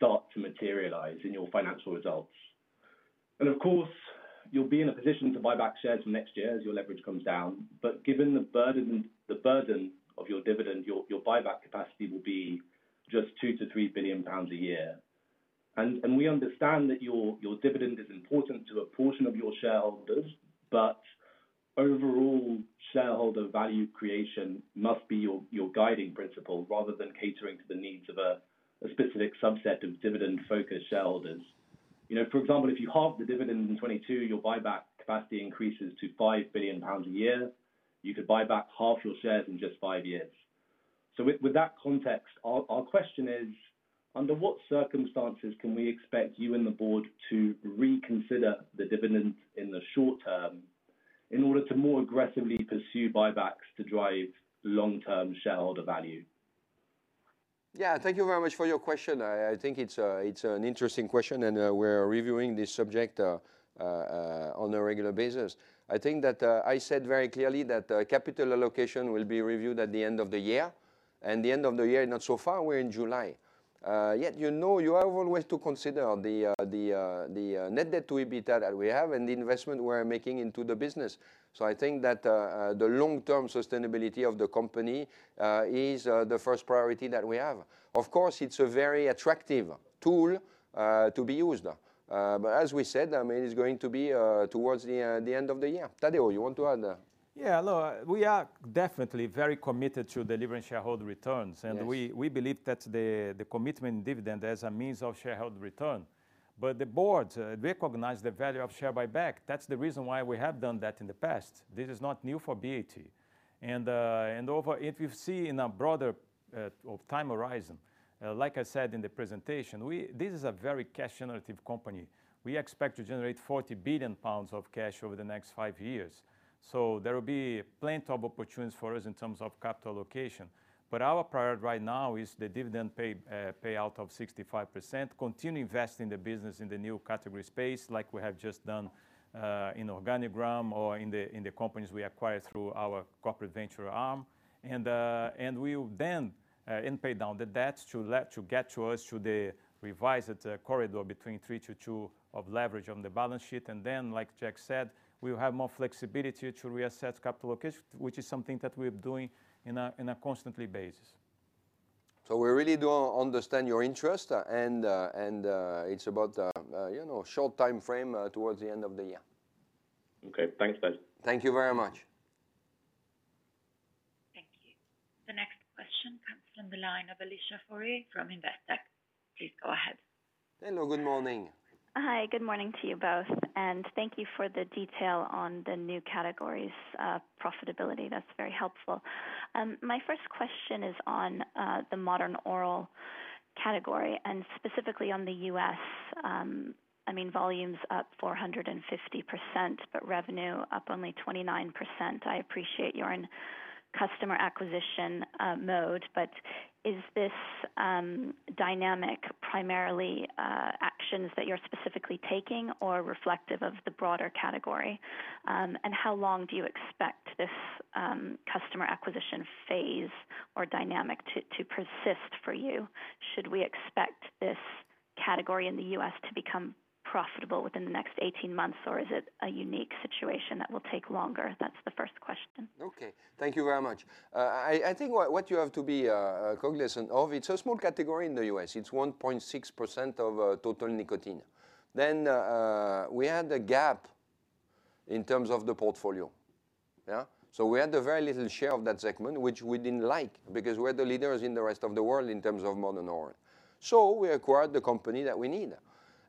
start to materialize in your financial results. Of course, you'll be in a position to buy back shares next year as your leverage comes down. Given the burden of your dividend, your buyback capacity will be just 2 billion-3 billion pounds a year. We understand that your dividend is important to a portion of your shareholders, but overall shareholder value creation must be your guiding principle rather than catering to the needs of a specific subset of dividend-focused shareholders. For example, if you halve the dividend in 2022, your buyback capacity increases to 5 billion pounds a year. You could buy back half your shares in just five years. With that context, our question is, under what circumstances can we expect you and the board to reconsider the dividend in the short term in order to more aggressively pursue buybacks to drive long-term shareholder value? Yeah. Thank you very much for your question. I think it's an interesting question and we're reviewing this subject on a regular basis. I think that I said very clearly that capital allocation will be reviewed at the end of the year, and the end of the year not so far, we're in July. You have always to consider the net debt to EBITDA that we have and the investment we're making into the business. I think that the long-term sustainability of the company is the first priority that we have. Of course, it's a very attractive tool to be used. As we said, it's going to be towards the end of the year. Tadeu, you want to add? Yeah, no, we are definitely very committed to delivering shareholder returns. Yes. We believe that the commitment dividend as a means of shareholder return. The board recognize the value of share buyback. That's the reason why we have done that in the past. This is not new for BAT. If you see in a broader time horizon, like I said in the presentation, this is a very cash-generative company. We expect to generate 40 billion pounds of cash over the next 5 years. There will be plenty of opportunities for us in terms of capital allocation. Our priority right now is the dividend payout of 65%, continue investing in the business in the New Categories space like we have just done in OrganiGram or in the companies we acquired through our corporate venture arm. We will then pay down the debts to get to us through the revised corridor between 3-2 of leverage on the balance sheet. Then like Jack said, we'll have more flexibility to reassess capital allocation, which is something that we're doing on a constant basis. We really do understand your interest, and it's about a short timeframe towards the end of the year. Okay. Thanks, guys. Thank you very much. Thank you. The next question comes from the line of Alicia Forry from Investec. Please go ahead. Hello. Good morning. Hi. Good morning to you both, and thank you for the detail on the New Categories' profitability. That's very helpful. My first question is on the modern oral category and specifically on the U.S. Volume's up 450%, revenue up only 29%. I appreciate you're in customer acquisition mode, is this dynamic primarily actions that you're specifically taking or reflective of the broader category? How long do you expect this customer acquisition phase or dynamic to persist for you? Should we expect this category in the U.S. to become profitable within the next 18 months, is it a unique situation that will take longer? That's the first question. Okay. Thank you very much. I think what you have to be cognizant of, it's a small category in the U.S. It's 1.6% of total nicotine. We had a gap in terms of the portfolio. Yeah? We had a very little share of that segment, which we didn't like because we're the leaders in the rest of the world in terms of modern oral. We acquired the company that we need.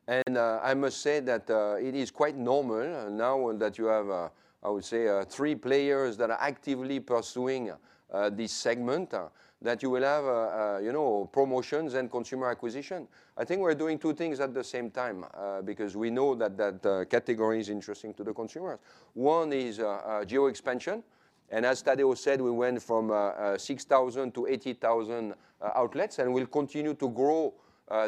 I must say that it is quite normal now that you have, I would say, three players that are actively pursuing this segment that you will have promotions and consumer acquisition. I think we're doing two things at the same time because we know that that category is interesting to the consumers. One is geo expansion. As Tadeu said, we went from 6,000 to 80,000 outlets, and we'll continue to grow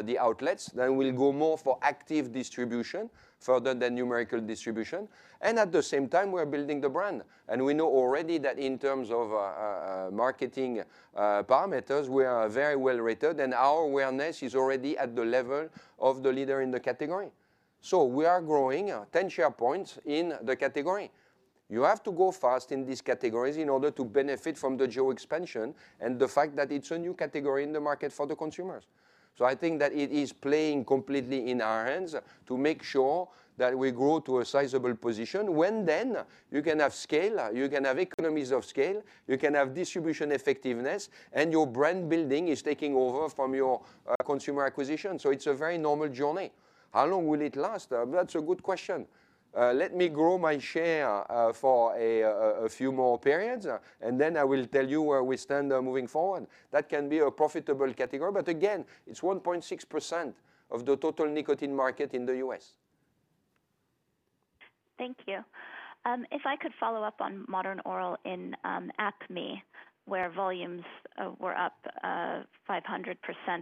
the outlets. We'll go more for active distribution further than numerical distribution. At the same time, we're building the brand. We know already that in terms of marketing parameters, we are very well-rated, and our awareness is already at the level of the leader in the category. We are growing 10 share points in the category. You have to go fast in these categories in order to benefit from the geo expansion and the fact that it's a new category in the market for the consumers. I think that it is playing completely in our hands to make sure that we grow to a sizable position when then you can have scale, you can have economies of scale, you can have distribution effectiveness, and your brand building is taking over from your consumer acquisition. It's a very normal journey. How long will it last? That's a good question. Let me grow my share for a few more periods, then I will tell you where we stand moving forward. That can be a profitable category. Again, it's 1.6% of the total nicotine market in the U.S. Thank you. If I could follow up on modern oral in APMEA, where volumes were up 500%,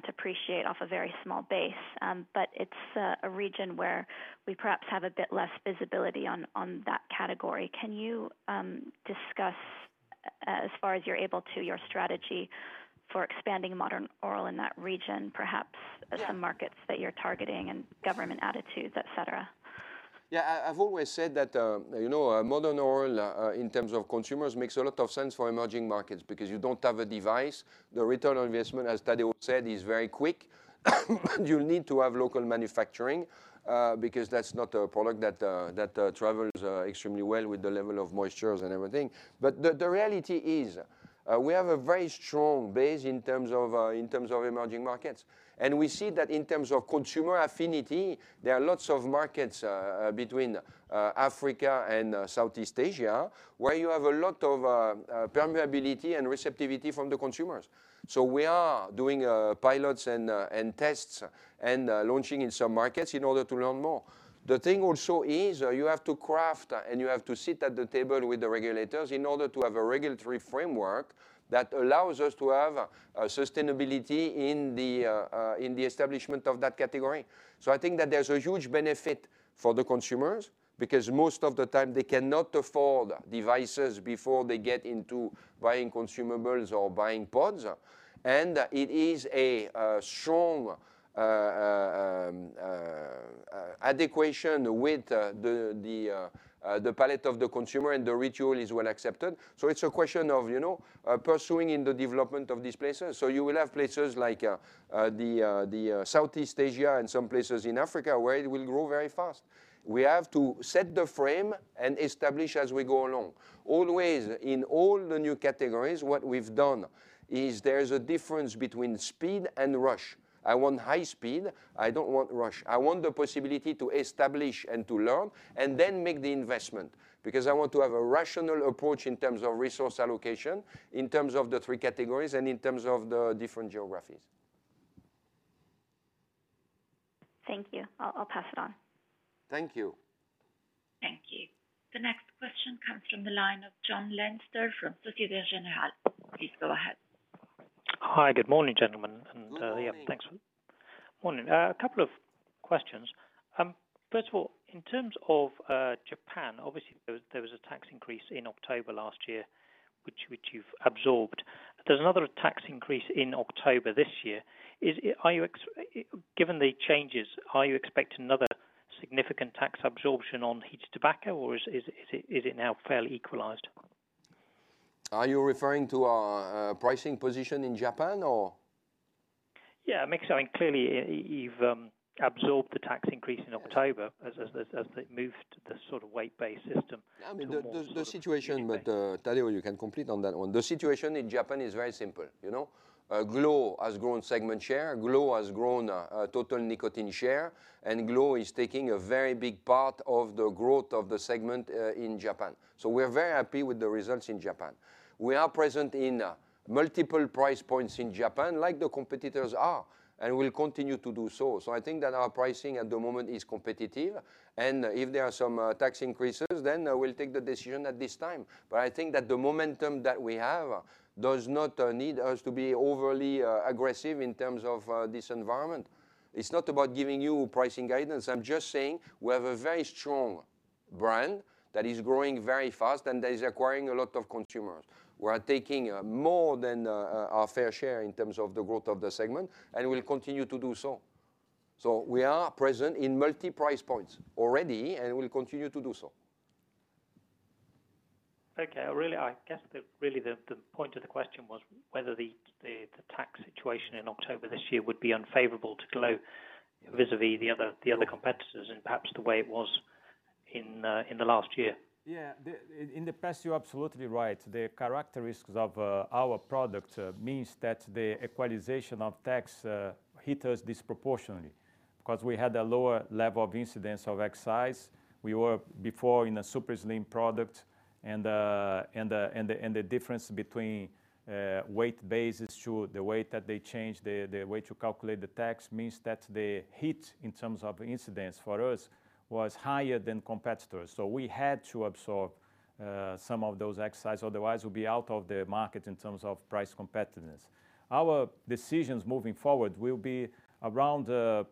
appreciate off a very small base. It's a region where we perhaps have a bit less visibility on that category. Can you discuss, as far as you're able to, your strategy for expanding modern oral in that region, perhaps some markets that you're targeting and government attitudes, et cetera? Yeah. I've always said that modern oral in terms of consumers makes a lot of sense for emerging markets because you don't have a device. The return on investment, as Tadeu said, is very quick. You need to have local manufacturing because that's not a product that travels extremely well with the level of moistures and everything. The reality is, we have a very strong base in terms of emerging markets. We see that in terms of consumer affinity, there are lots of markets between Africa and Southeast Asia, where you have a lot of permeability and receptivity from the consumers. We are doing pilots and tests and launching in some markets in order to learn more. The thing also is you have to craft and you have to sit at the table with the regulators in order to have a regulatory framework that allows us to have sustainability in the establishment of that category. I think that there's a huge benefit for the consumers because most of the time they cannot afford devices before they get into buying consumables or buying pods. It is a strong adequation with the palate of the consumer, and the ritual is well accepted. It's a question of pursuing in the development of these places. You will have places like the Southeast Asia and some places in Africa where it will grow very fast. We have to set the frame and establish as we go along. Always, in all the New Categories, what we've done is there's a difference between speed and rush. I want high speed. I don't want rush. I want the possibility to establish and to learn and then make the investment because I want to have a rational approach in terms of resource allocation, in terms of the 3 categories, and in terms of the different geographies. Thank you. I'll pass it on. Thank you. Thank you. The next question comes from the line of Jon Leinster from Societe Generale. Please go ahead. Hi. Good morning, gentlemen. Good morning. Yeah, thanks. Morning. A couple of questions. First of all, in terms of Japan, obviously, there was a tax increase in October last year, which you've absorbed. There's another tax increase in October this year. Given the changes, are you expecting another significant tax absorption on heated tobacco, or is it now fairly equalized? Are you referring to our pricing position in Japan or? Yeah. I mean, clearly, you've absorbed the tax increase in October as they moved to the weight-based system to a more. The situation, Tadeu, you can complete on that one. The situation in Japan is very simple. glo has grown segment share, glo has grown total nicotine share, and glo is taking a very big part of the growth of the segment in Japan. We're very happy with the results in Japan. We are present in multiple price points in Japan like the competitors are, and we'll continue to do so. I think that our pricing at the moment is competitive, and if there are some tax increases, then we'll take the decision at this time. I think that the momentum that we have does not need us to be overly aggressive in terms of this environment. It's not about giving you pricing guidance. I'm just saying we have a very strong brand that is growing very fast and that is acquiring a lot of consumers. We are taking more than our fair share in terms of the growth of the segment, and we'll continue to do so. We are present in multi-price points already, and we'll continue to do so. Okay. I guess, really, the point of the question was whether the tax situation in October this year would be unfavorable to glo vis-à-vis the other competitors and perhaps the way it was in the last year. Yeah. In the past, you're absolutely right. The characteristics of our product means that the equalization of tax hit us disproportionately because we had a lower level of incidence of excise. We were before in a super slim product, and the difference between weight-based to the weight that they changed, the weight to calculate the tax means that the hit in terms of incidence for us was higher than competitors. We had to absorb some of those excise, otherwise, we'll be out of the market in terms of price competitiveness. Our decisions moving forward will be around the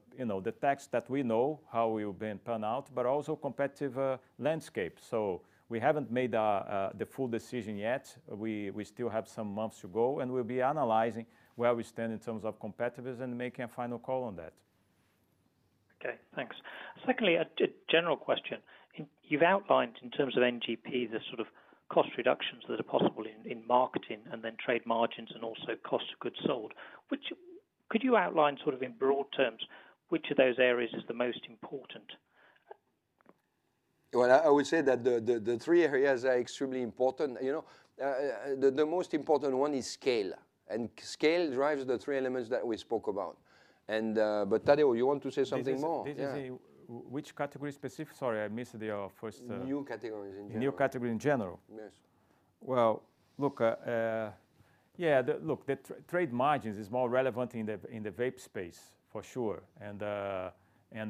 tax that we know, how we've been pan out, but also competitive landscape. We haven't made the full decision yet. We still have some months to go, and we'll be analyzing where we stand in terms of competitors and making a final call on that. Okay, thanks. Secondly, a general question. You've outlined in terms of NGP, the sort of cost reductions that are possible in marketing and then trade margins and also cost of goods sold. Could you outline sort of in broad terms which of those areas is the most important? Well, I would say that the three areas are extremely important. The most important one is scale, and scale drives the three elements that we spoke about. Tadeu, you want to say something more? Which category specific? Sorry, I missed your first. New Categories in general. New Category in general? Yes. Well, look, the trade margins is more relevant in the vape space for sure, and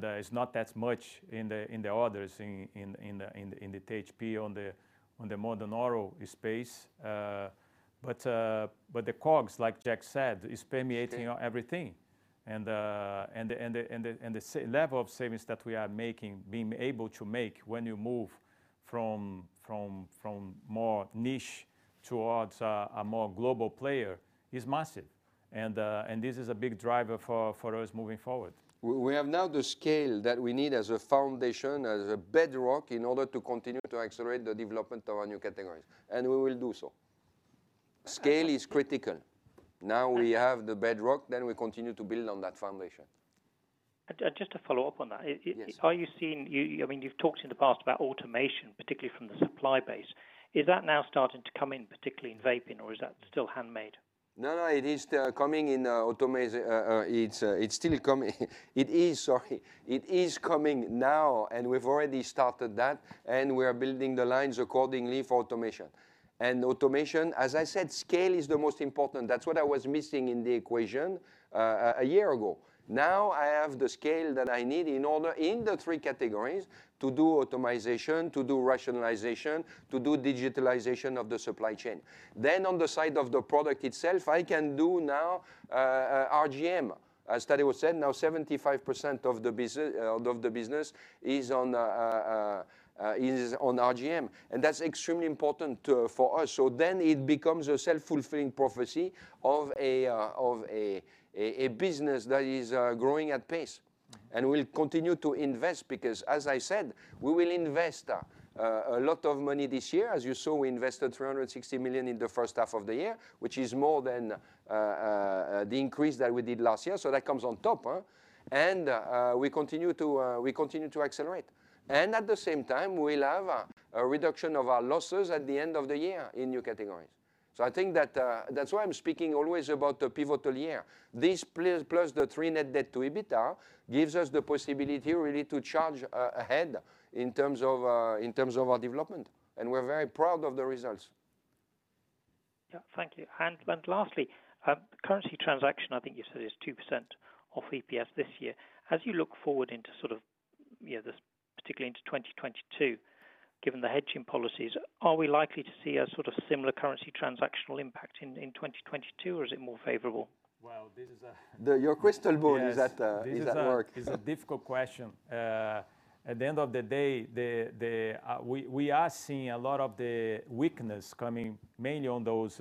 it's not that much in the others, in the THP, on the modern oral space. The COGS, like Jack said, is permeating everything. The level of savings that we are being able to make when you move from more niche towards a more global player is massive. This is a big driver for us moving forward. We have now the scale that we need as a foundation, as a bedrock in order to continue to accelerate the development of our New Categories, and we will do so. Scale is critical. Now we have the bedrock, then we continue to build on that foundation. Just to follow up on that. You've talked in the past about automation, particularly from the supply base. Is that now starting to come in, particularly in vaping, or is that still handmade? No, it is coming in. It's still coming. It is, sorry. It is coming now, and we've already started that, and we are building the lines accordingly for automation. Automation, as I said, scale is the most important. That's what I was missing in the equation a year ago. Now I have the scale that I need in order, in the 3 categories, to do automization, to do rationalization, to do digitalization of the supply chain. On the side of the product itself, I can do now RGM. As Tadeu Marroco said, now 75% of the business is on RGM. That's extremely important for us. It becomes a self-fulfilling prophecy of a business that is growing at pace. We'll continue to invest because, as I said, we will invest a lot of money this year. As you saw, we invested 360 million in the first half of the year, which is more than the increase that we did last year. That comes on top. We continue to accelerate. At the same time, we'll have a reduction of our losses at the end of the year in New Categories. I think that's why I'm speaking always about the pivotal year. This plus the three net debt to EBITDA gives us the possibility really to charge ahead in terms of our development, and we're very proud of the results. Thank you. Lastly, currency transaction, I think you said is 2% of EPS this year. As you look forward particularly into 2022, given the hedging policies, are we likely to see a similar currency transactional impact in 2022, or is it more favorable? Your crystal ball is at work. This is a difficult question. At the end of the day, we are seeing a lot of the weakness coming mainly on those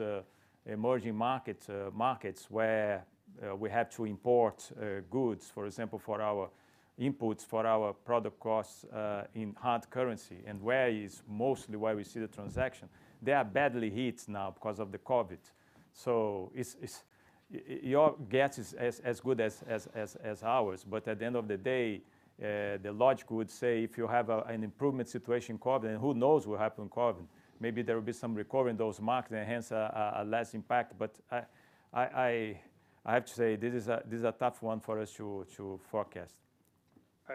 emerging markets, where we have to import goods, for example, for our inputs, for our product costs, in hard currency, and where is mostly where we see the transaction. They are badly hit now because of the COVID. Your guess is as good as ours. At the end of the day, the logic would say if you have an improvement situation in COVID, and who knows what happens in COVID, maybe there will be some recovery in those markets and hence less impact. I have to say this is a tough one for us to forecast.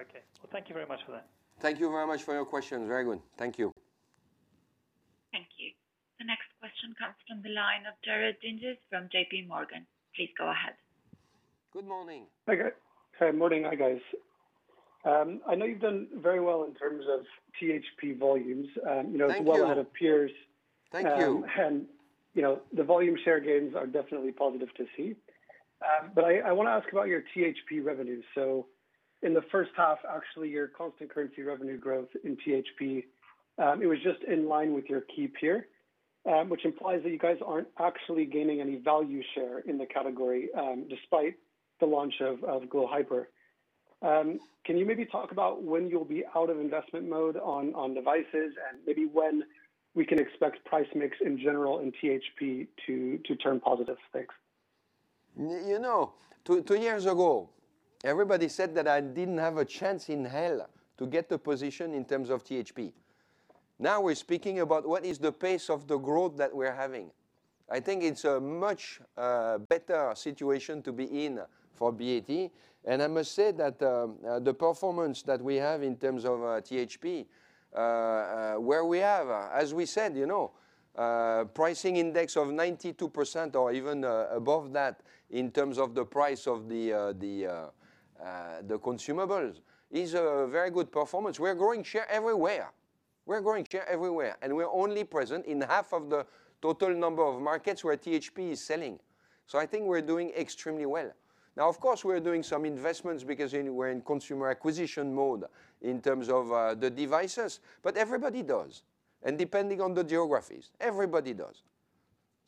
Okay. Well, thank you very much for that. Thank you very much for your questions. Very good. Thank you. Thank you. The next question comes from the line of Jared Dinges from JP Morgan. Please go ahead. Good morning. Hi. Good morning. Hi, guys. I know you've done very well in terms of THP volumes well ahead of peers. Thank you. The volume share gains are definitely positive to see. I want to ask about your THP revenue. In the first half, actually, your constant currency revenue growth in THP, it was just in line with your key peer, which implies that you guys aren't actually gaining any value share in the category, despite the launch of glo Hyper. Can you maybe talk about when you'll be out of investment mode on devices and maybe when we can expect price mix in general in THP to turn positive specs? Two years ago, everybody said that I didn't have a chance in hell to get the position in terms of THP. We're speaking about what is the pace of the growth that we're having. I think it's a much better situation to be in for BAT, and I must say that the performance that we have in terms of THP, where we have, as we said, pricing index of 92% or even above that in terms of the price of the consumables is a very good performance. We're growing share everywhere. We're growing share everywhere, and we're only present in half of the total number of markets where THP is selling. I think we're doing extremely well. Of course, we're doing some investments because we're in consumer acquisition mode in terms of the devices. Everybody does, and depending on the geographies, everybody does.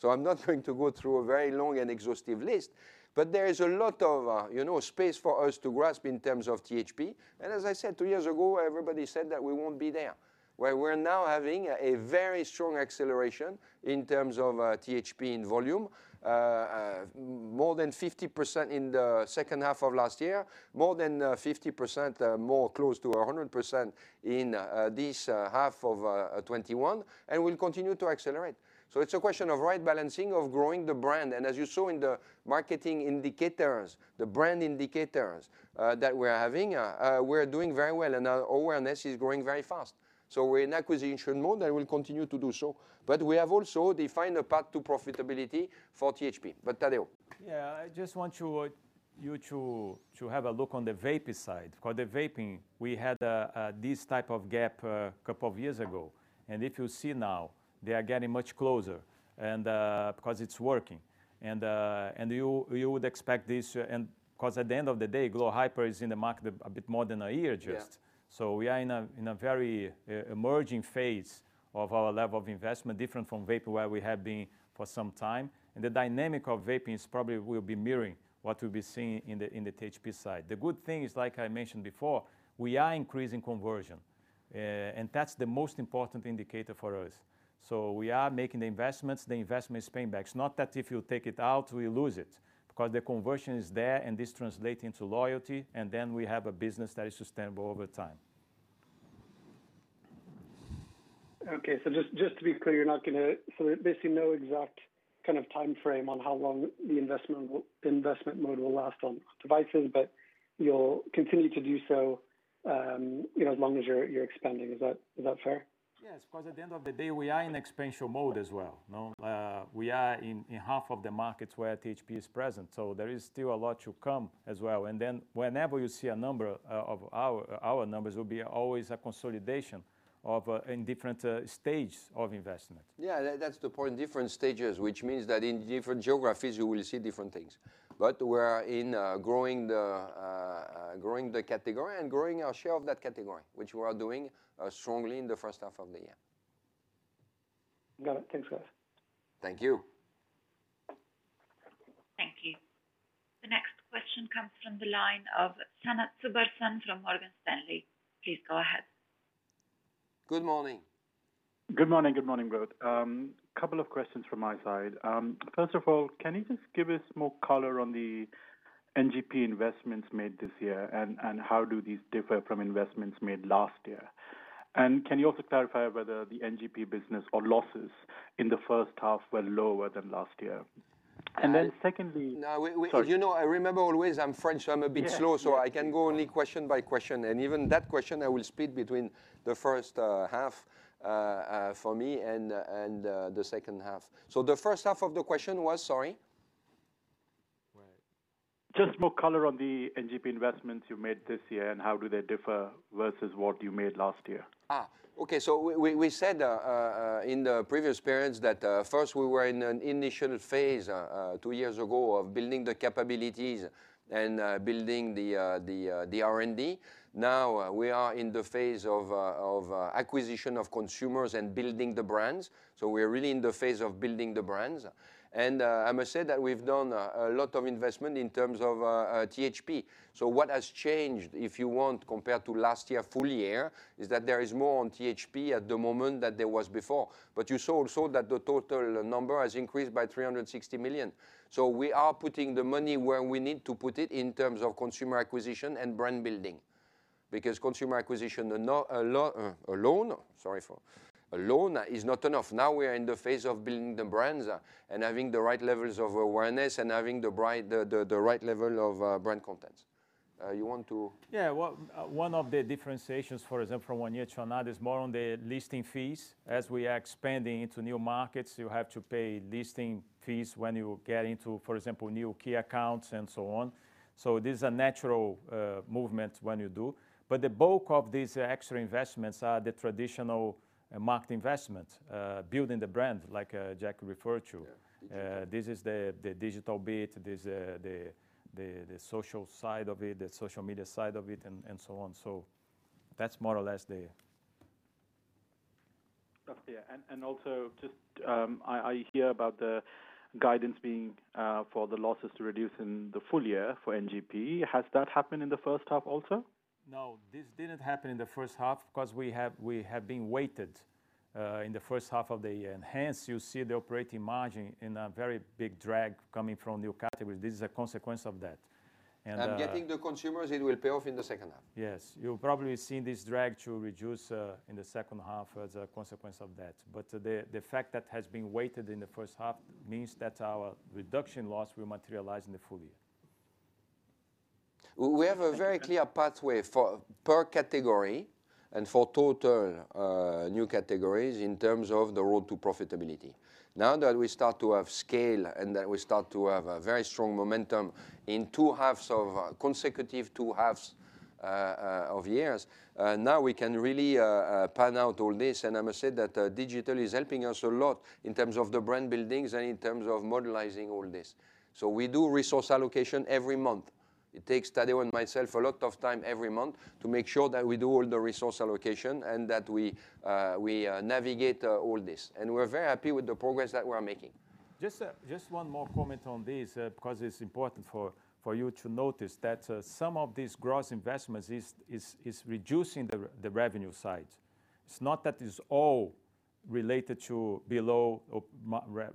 I'm not going to go through a very long and exhaustive list, but there is a lot of space for us to grasp in terms of THP. As I said, two years ago, everybody said that we won't be there, where we're now having a very strong acceleration in terms of THP in volume, more than 50% in the second half of last year, more than 50%, more close to 100% in this half of 2021, and will continue to accelerate. It's a question of right balancing, of growing the brand. As you saw in the marketing indicators, the brand indicators that we're having, we're doing very well, and our awareness is growing very fast. We're in acquisition mode, and we'll continue to do so. We have also defined a path to profitability for THP. Tadeu. Yeah. I just want you to have a look on the vaping side, because the vaping, we had this type of gap 2 years ago. If you see now, they are getting much closer and because it's working, and you would expect this, and because at the end of the day, glo Hyper is in the market a bit more than 1 year just. We are in a very emerging phase of our level of investment, different from vape where we have been for some time, and the dynamic of vaping probably will be mirroring what we'll be seeing in the THP side. The good thing is, like I mentioned before, we are increasing conversion, and that's the most important indicator for us. We are making the investments. The investment is paying back. It's not that if you take it out, we lose it, because the conversion is there, and this translates into loyalty, and then we have a business that is sustainable over time. Okay. Just to be clear, there's basically no exact kind of timeframe on how long the investment mode will last on devices, but you'll continue to do so as long as you're expanding. Is that fair? Yes, because at the end of the day, we are in expansion mode as well. We are in half of the markets where THP is present, so there is still a lot to come as well. Whenever you see a number of our numbers will be always a consolidation in different stages of investment. Yeah. That's the point, different stages, which means that in different geographies, you will see different things. We're growing the category and growing our share of that category, which we are doing strongly in the first half of the year. Got it. Thanks, guys. Thank you. Thank you. The next question comes from the line of Sanat Subrasan from Morgan Stanley. Please go ahead. Good morning. Good morning. Good morning, both. Couple of questions from my side. First of all, can you just give us more color on the NGP investments made this year, and how do these differ from investments made last year? Can you also clarify whether the NGP business or losses in the first half were lower than last year? I remember always I'm French, so I'm a bit slow. Yeah. I can go only question by question. Even that question, I will split between the first half for me and the second half. The first half of the question was? Sorry. Right. Just more color on the NGP investments you made this year. How do they differ versus what you made last year? Okay. We said in the previous periods that first we were in an initial phase, 2 years ago, of building the capabilities and building the R&D. Now, we are in the phase of acquisition of consumers and building the brands. We're really in the phase of building the brands. I must say that we've done a lot of investment in terms of THP. What has changed, if you want, compared to last year, full year, is that there is more on THP at the moment than there was before. You saw also that the total number has increased by 360 million. We are putting the money where we need to put it in terms of consumer acquisition and brand building. Because consumer acquisition alone is not enough. Now we are in the phase of building the brands and having the right levels of awareness and having the right level of brand content. You want to? One of the differentiations, for example, from one year to another, is more on the listing fees. As we are expanding into new markets, you have to pay listing fees when you get into, for example, new key accounts and so on. This is a natural movement when you do. The bulk of these extra investments are the traditional market investment, building the brand, like Jack referred to. Yeah. This is the digital bit. There's the social side of it, the social media side of it, and so on. That's more or less there. Got you. Also, just I hear about the guidance being for the losses to reduce in the full year for NGP. Has that happened in the first half also? No, this didn't happen in the first half because we have been weighted in the first half of the year. Hence, you see the operating margin in a very big drag coming from New Categories. This is a consequence of that. Getting the consumers, it will pay off in the second half. Yes. You'll probably see this drag to reduce in the second half as a consequence of that. The fact that has been weighted in the first half means that our reduction loss will materialize in the full year. We have a very clear pathway for per category and for total New Categories in terms of the road to profitability. Now that we start to have scale and that we start to have a very strong momentum in consecutive two halves of years, now we can really pan out all this. I must say that digital is helping us a lot in terms of the brand buildings and in terms of modeling all this. We do resource allocation every month. It takes Tadeu and myself a lot of time every month to make sure that we do all the resource allocation and that we navigate all this. We're very happy with the progress that we are making. Just one more comment on this, because it's important for you to notice, that some of these gross investments is reducing the revenue side. It's not that it's all related to below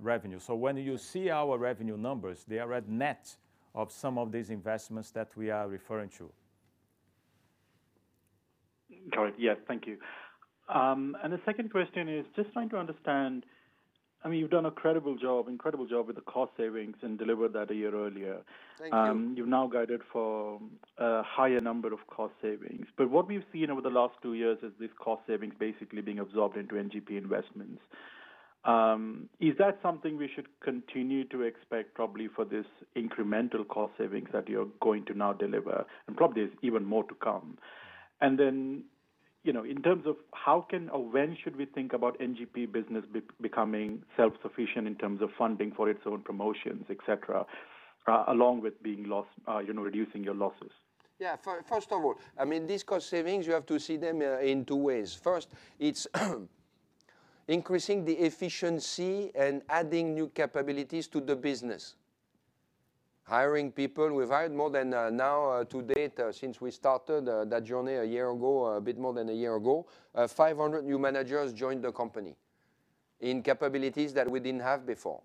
revenue. When you see our revenue numbers, they are at net of some of these investments that we are referring to. Got it. Yeah. Thank you. The second question is just trying to understand, you've done a incredible job with the cost savings and delivered that a year earlier. Thank you. You've now guided for a higher number of cost savings. What we've seen over the last 2 years is these cost savings basically being absorbed into NGP investments. Is that something we should continue to expect probably for this incremental cost savings that you're going to now deliver, and probably there's even more to come? In terms of how can or when should we think about NGP business becoming self-sufficient in terms of funding for its own promotions, et cetera, along with reducing your losses? Yeah. First of all, these cost savings, you have to see them in two ways. First, it's increasing the efficiency and adding new capabilities to the business. Hiring people. We've hired more than, now to date, since we started that journey a year ago, a bit more than a year ago, 500 new managers joined the company in capabilities that we didn't have before.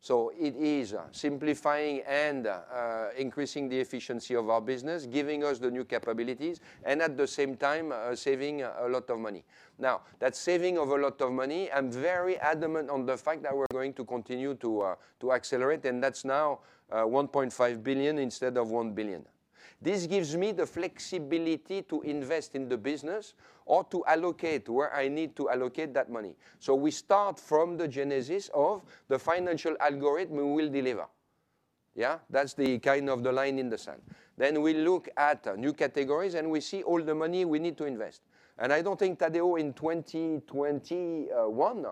It is simplifying and increasing the efficiency of our business, giving us the new capabilities, and at the same time, saving a lot of money. Now, that saving of a lot of money, I'm very adamant on the fact that we're going to continue to accelerate, and that's now 1.5 billion instead of 1 billion. This gives me the flexibility to invest in the business or to allocate where I need to allocate that money. We start from the genesis of the financial algorithm we will deliver. Yeah? That's the kind of the line in the sand. We look at New Categories, and we see all the money we need to invest. I don't think, Tadeu, in 2021,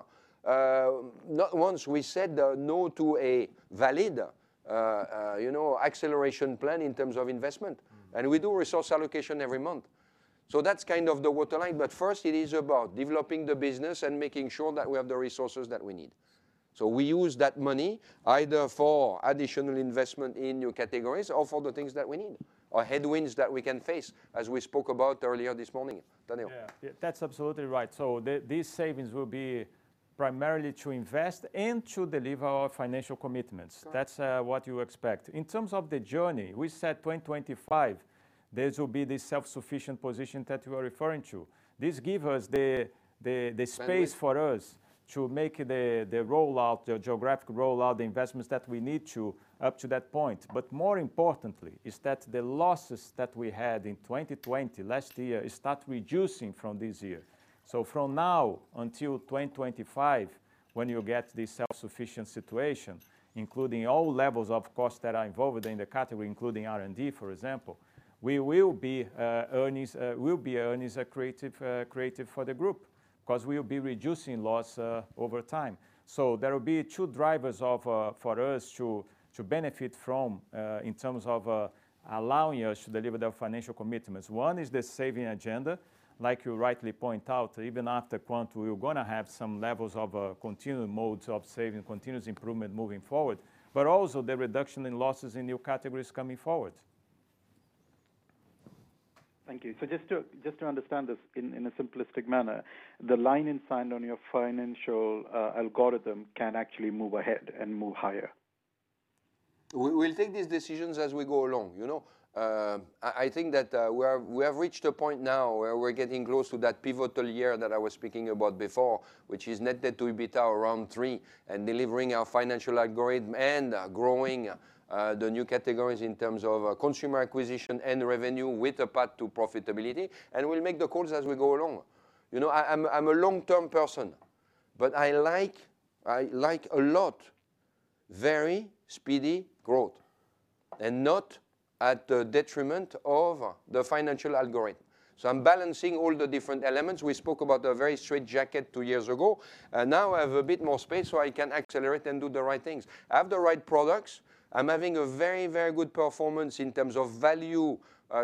not once we said no to a valid acceleration plan in terms of investment. We do resource allocation every month. That's kind of the waterline. First, it is about developing the business and making sure that we have the resources that we need. We use that money either for additional investment in New Categories or for the things that we need, or headwinds that we can face, as we spoke about earlier this morning. Tadeu? Yeah. That's absolutely right. These savings will be primarily to invest and to deliver our financial commitments. That's what you expect. In terms of the journey, we said 2025, this will be the self-sufficient position that you are referring to space for us to make the geographical rollout, the investments that we need up to that point. More importantly is that the losses that we had in 2020, last year, start reducing from this year. From now until 2025, when you get this self-sufficient situation, including all levels of cost that are involved within the category, including R&D, for example, we will be earnings creative for the group, because we'll be reducing loss over time. There will be 2 drivers for us to benefit from, in terms of allowing us to deliver the financial commitments. 1 is the saving agenda. Like you rightly point out, even after Quantum, we're going to have some levels of continuing modes of saving, continuous improvement moving forward, but also the reduction in losses in New Categories coming forward. Thank you. Just to understand this in a simplistic manner, the line in sand on your financial algorithm can actually move ahead and move higher? We'll take these decisions as we go along. I think that we have reached a point now where we're getting close to that pivotal year that I was speaking about before, which is net debt to EBITDA around 3, and delivering our financial algorithm and growing the New Categories in terms of consumer acquisition and revenue with a path to profitability, and we'll make the calls as we go along. I'm a long-term person, but I like a lot very speedy growth, and not at the detriment of the financial algorithm. I'm balancing all the different elements. We spoke about a very straightjacket 2 years ago, now I have a bit more space so I can accelerate and do the right things. I have the right products. I'm having a very good performance in terms of value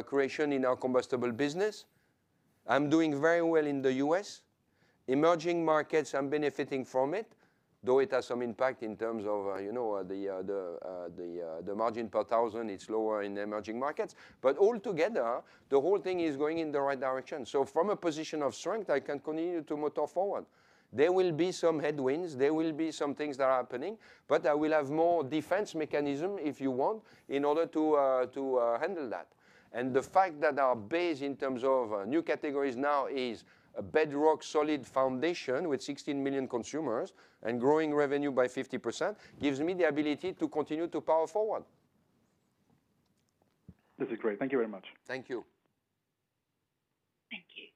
creation in our combustible business. I'm doing very well in the U.S. Emerging markets, I'm benefiting from it, though it has some impact in terms of the margin per thousand, it's lower in the emerging markets. Altogether, the whole thing is going in the right direction. From a position of strength, I can continue to motor forward. There will be some headwinds, there will be some things that are happening, I will have more defense mechanism, if you want, in order to handle that. The fact that our base in terms of New Categories now is a bedrock solid foundation with 16 million consumers and growing revenue by 50%, gives me the ability to continue to power forward. This is great. Thank you very much. Thank you. Thank you.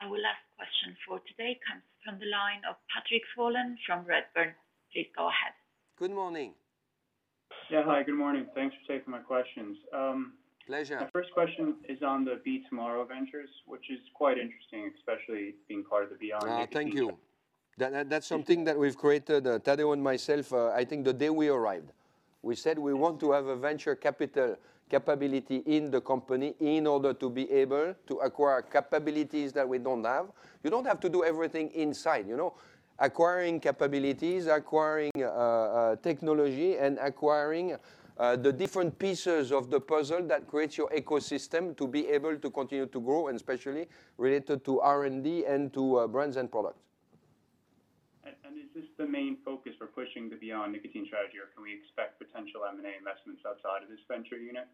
Our last question for today comes from the line of Patrick Folan from Redburn. Please go ahead. Good morning. Yeah, hi. Good morning. Thanks for taking my questions. Pleasure. My first question is on the Btomorrow Ventures, which is quite interesting, especially being part of the Beyond Nicotine. Thank you. That's something that we've created, Tadeu and myself, I think the day we arrived. We said we want to have a venture capital capability in the company in order to be able to acquire capabilities that we don't have. You don't have to do everything inside. Acquiring capabilities, acquiring technology, and acquiring the different pieces of the puzzle that creates your ecosystem to be able to continue to grow, and especially related to R&D and to brands and products. Is this the main focus for pushing the Beyond Nicotine strategy, or can we expect potential M&A investments outside of this venture unit?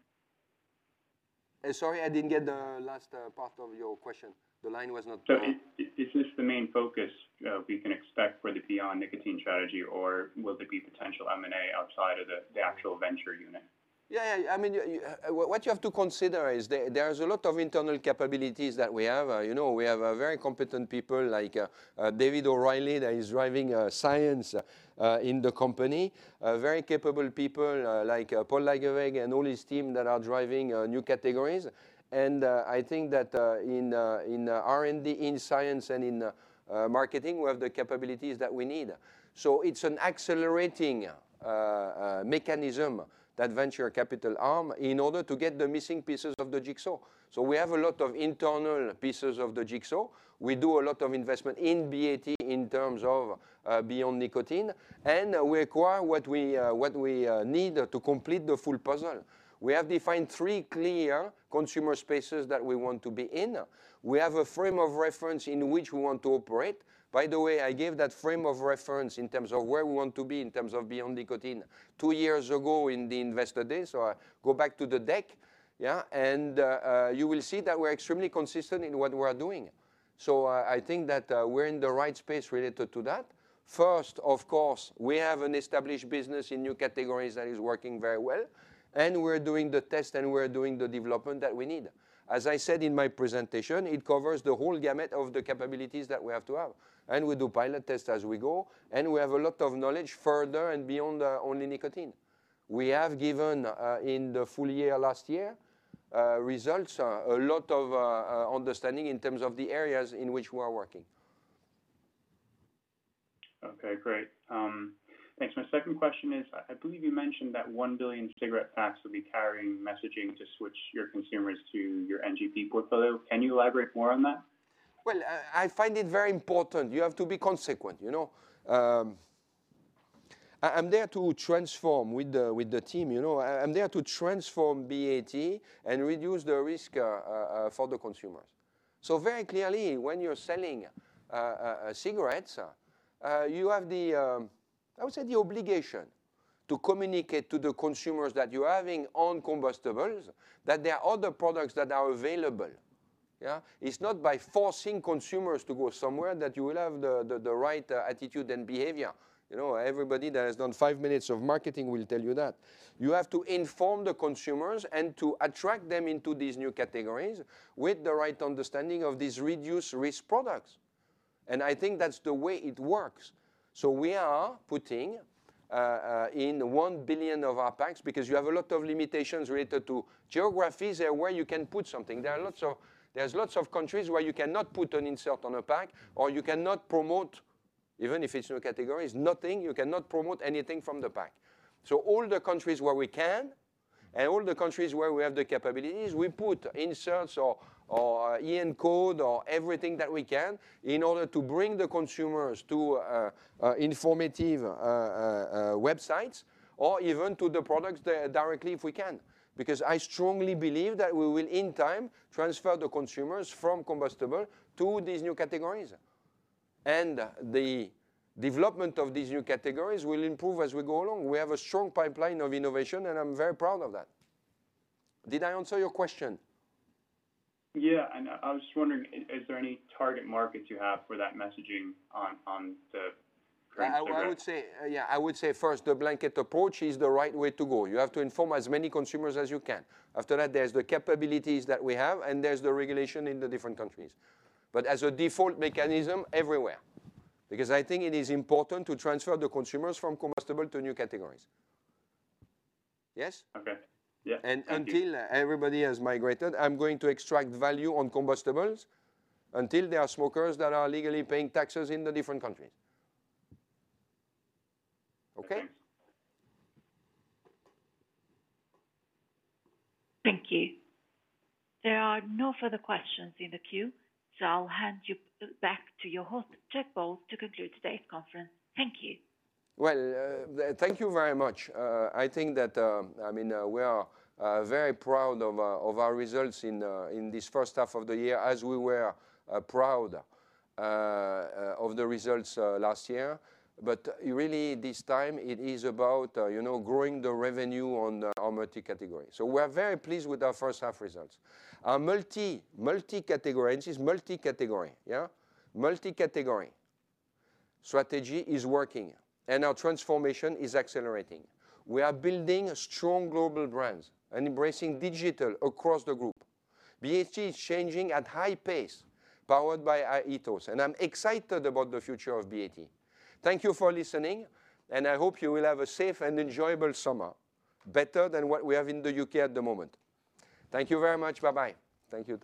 Sorry, I didn't get the last part of your question. The line was not clear. Is this the main focus we can expect for the Beyond Nicotine strategy, or will there be potential M&A outside of the actual venture unit? Yeah. What you have to consider is there is a lot of internal capabilities that we have. We have very competent people like David O'Reilly, that is driving science in the company. Very capable people like Paul Lageweg and all his team that are driving New Categories. I think that in R&D, in science, and in marketing, we have the capabilities that we need. It is an accelerating mechanism, that venture capital arm, in order to get the missing pieces of the jigsaw. We have a lot of internal pieces of the jigsaw. We do a lot of investment in BAT in terms of Beyond Nicotine, and we acquire what we need to complete the full puzzle. We have defined three clear consumer spaces that we want to be in. We have a frame of reference in which we want to operate. I gave that frame of reference in terms of where we want to be in terms of Beyond Nicotine two years ago in the Investor Day. Go back to the deck, yeah. You will see that we're extremely consistent in what we are doing. I think that we're in the right space related to that. First, of course, we have an established business in New Categories that is working very well, and we're doing the test and we're doing the development that we need. As I said in my presentation, it covers the whole gamut of the capabilities that we have to have, and we do pilot tests as we go, and we have a lot of knowledge further and beyond only nicotine. We have given, in the full year last year, results, a lot of understanding in terms of the areas in which we are working. Okay, great. Thanks. My second question is, I believe you mentioned that 1 billion cigarette packs will be carrying messaging to switch your consumers to your NGP portfolio. Can you elaborate more on that? Well, I find it very important. You have to be consequent. I am there to transform with the team. I am there to transform BAT and reduce the risk for the consumers. Very clearly, when you are selling cigarettes, you have, I would say, the obligation to communicate to the consumers that you are having on combustibles that there are other products that are available. Yeah. It is not by forcing consumers to go somewhere that you will have the right attitude and behavior. Everybody that has done five minutes of marketing will tell you that. You have to inform the consumers and to attract them into these New Categories with the right understanding of these reduced-risk products. I think that is the way it works. We are putting in 1 billion of our packs, because you have a lot of limitations related to geographies and where you can put something. There's lots of countries where you cannot put an insert on a pack, or you cannot promote, even if it's in a category, it's nothing, you cannot promote anything from the pack. All the countries where we can, and all the countries where we have the capabilities, we put inserts or EN code or everything that we can in order to bring the consumers to informative websites, or even to the products directly if we can. I strongly believe that we will, in time, transfer the consumers from combustible to these New Categories. The development of these New Categories will improve as we go along. We have a strong pipeline of innovation, and I'm very proud of that. Did I answer your question? Yeah. I was just wondering, is there any target markets you have for that messaging on the cigarette? I would say. I would say first, the blanket approach is the right way to go. You have to inform as many consumers as you can. After that, there's the capabilities that we have, and there's the regulation in the different countries. As a default mechanism, everywhere. I think it is important to transfer the consumers from combustible to New Categories. Yes? Okay. Yeah. Thank you. Until everybody has migrated, I'm going to extract value on combustibles until there are smokers that are legally paying taxes in the different countries. Okay? Okay. Thank you. There are no further questions in the queue, so I'll hand you back to your host, Jack Bowles, to conclude today's conference. Thank you. Thank you very much. I think that we are very proud of our results in this first half of the year, as we were proud of the results last year. Really this time it is about growing the revenue on our multi-category. We're very pleased with our first half results. Our multi-category, and it is multi-category, yeah? Multi-category strategy is working, and our transformation is accelerating. We are building strong global brands and embracing digital across the group. BAT is changing at high pace, powered by our ethos, and I'm excited about the future of BAT. Thank you for listening, and I hope you will have a safe and enjoyable summer. Better than what we have in the U.K. at the moment. Thank you very much. Bye-bye. Thank you.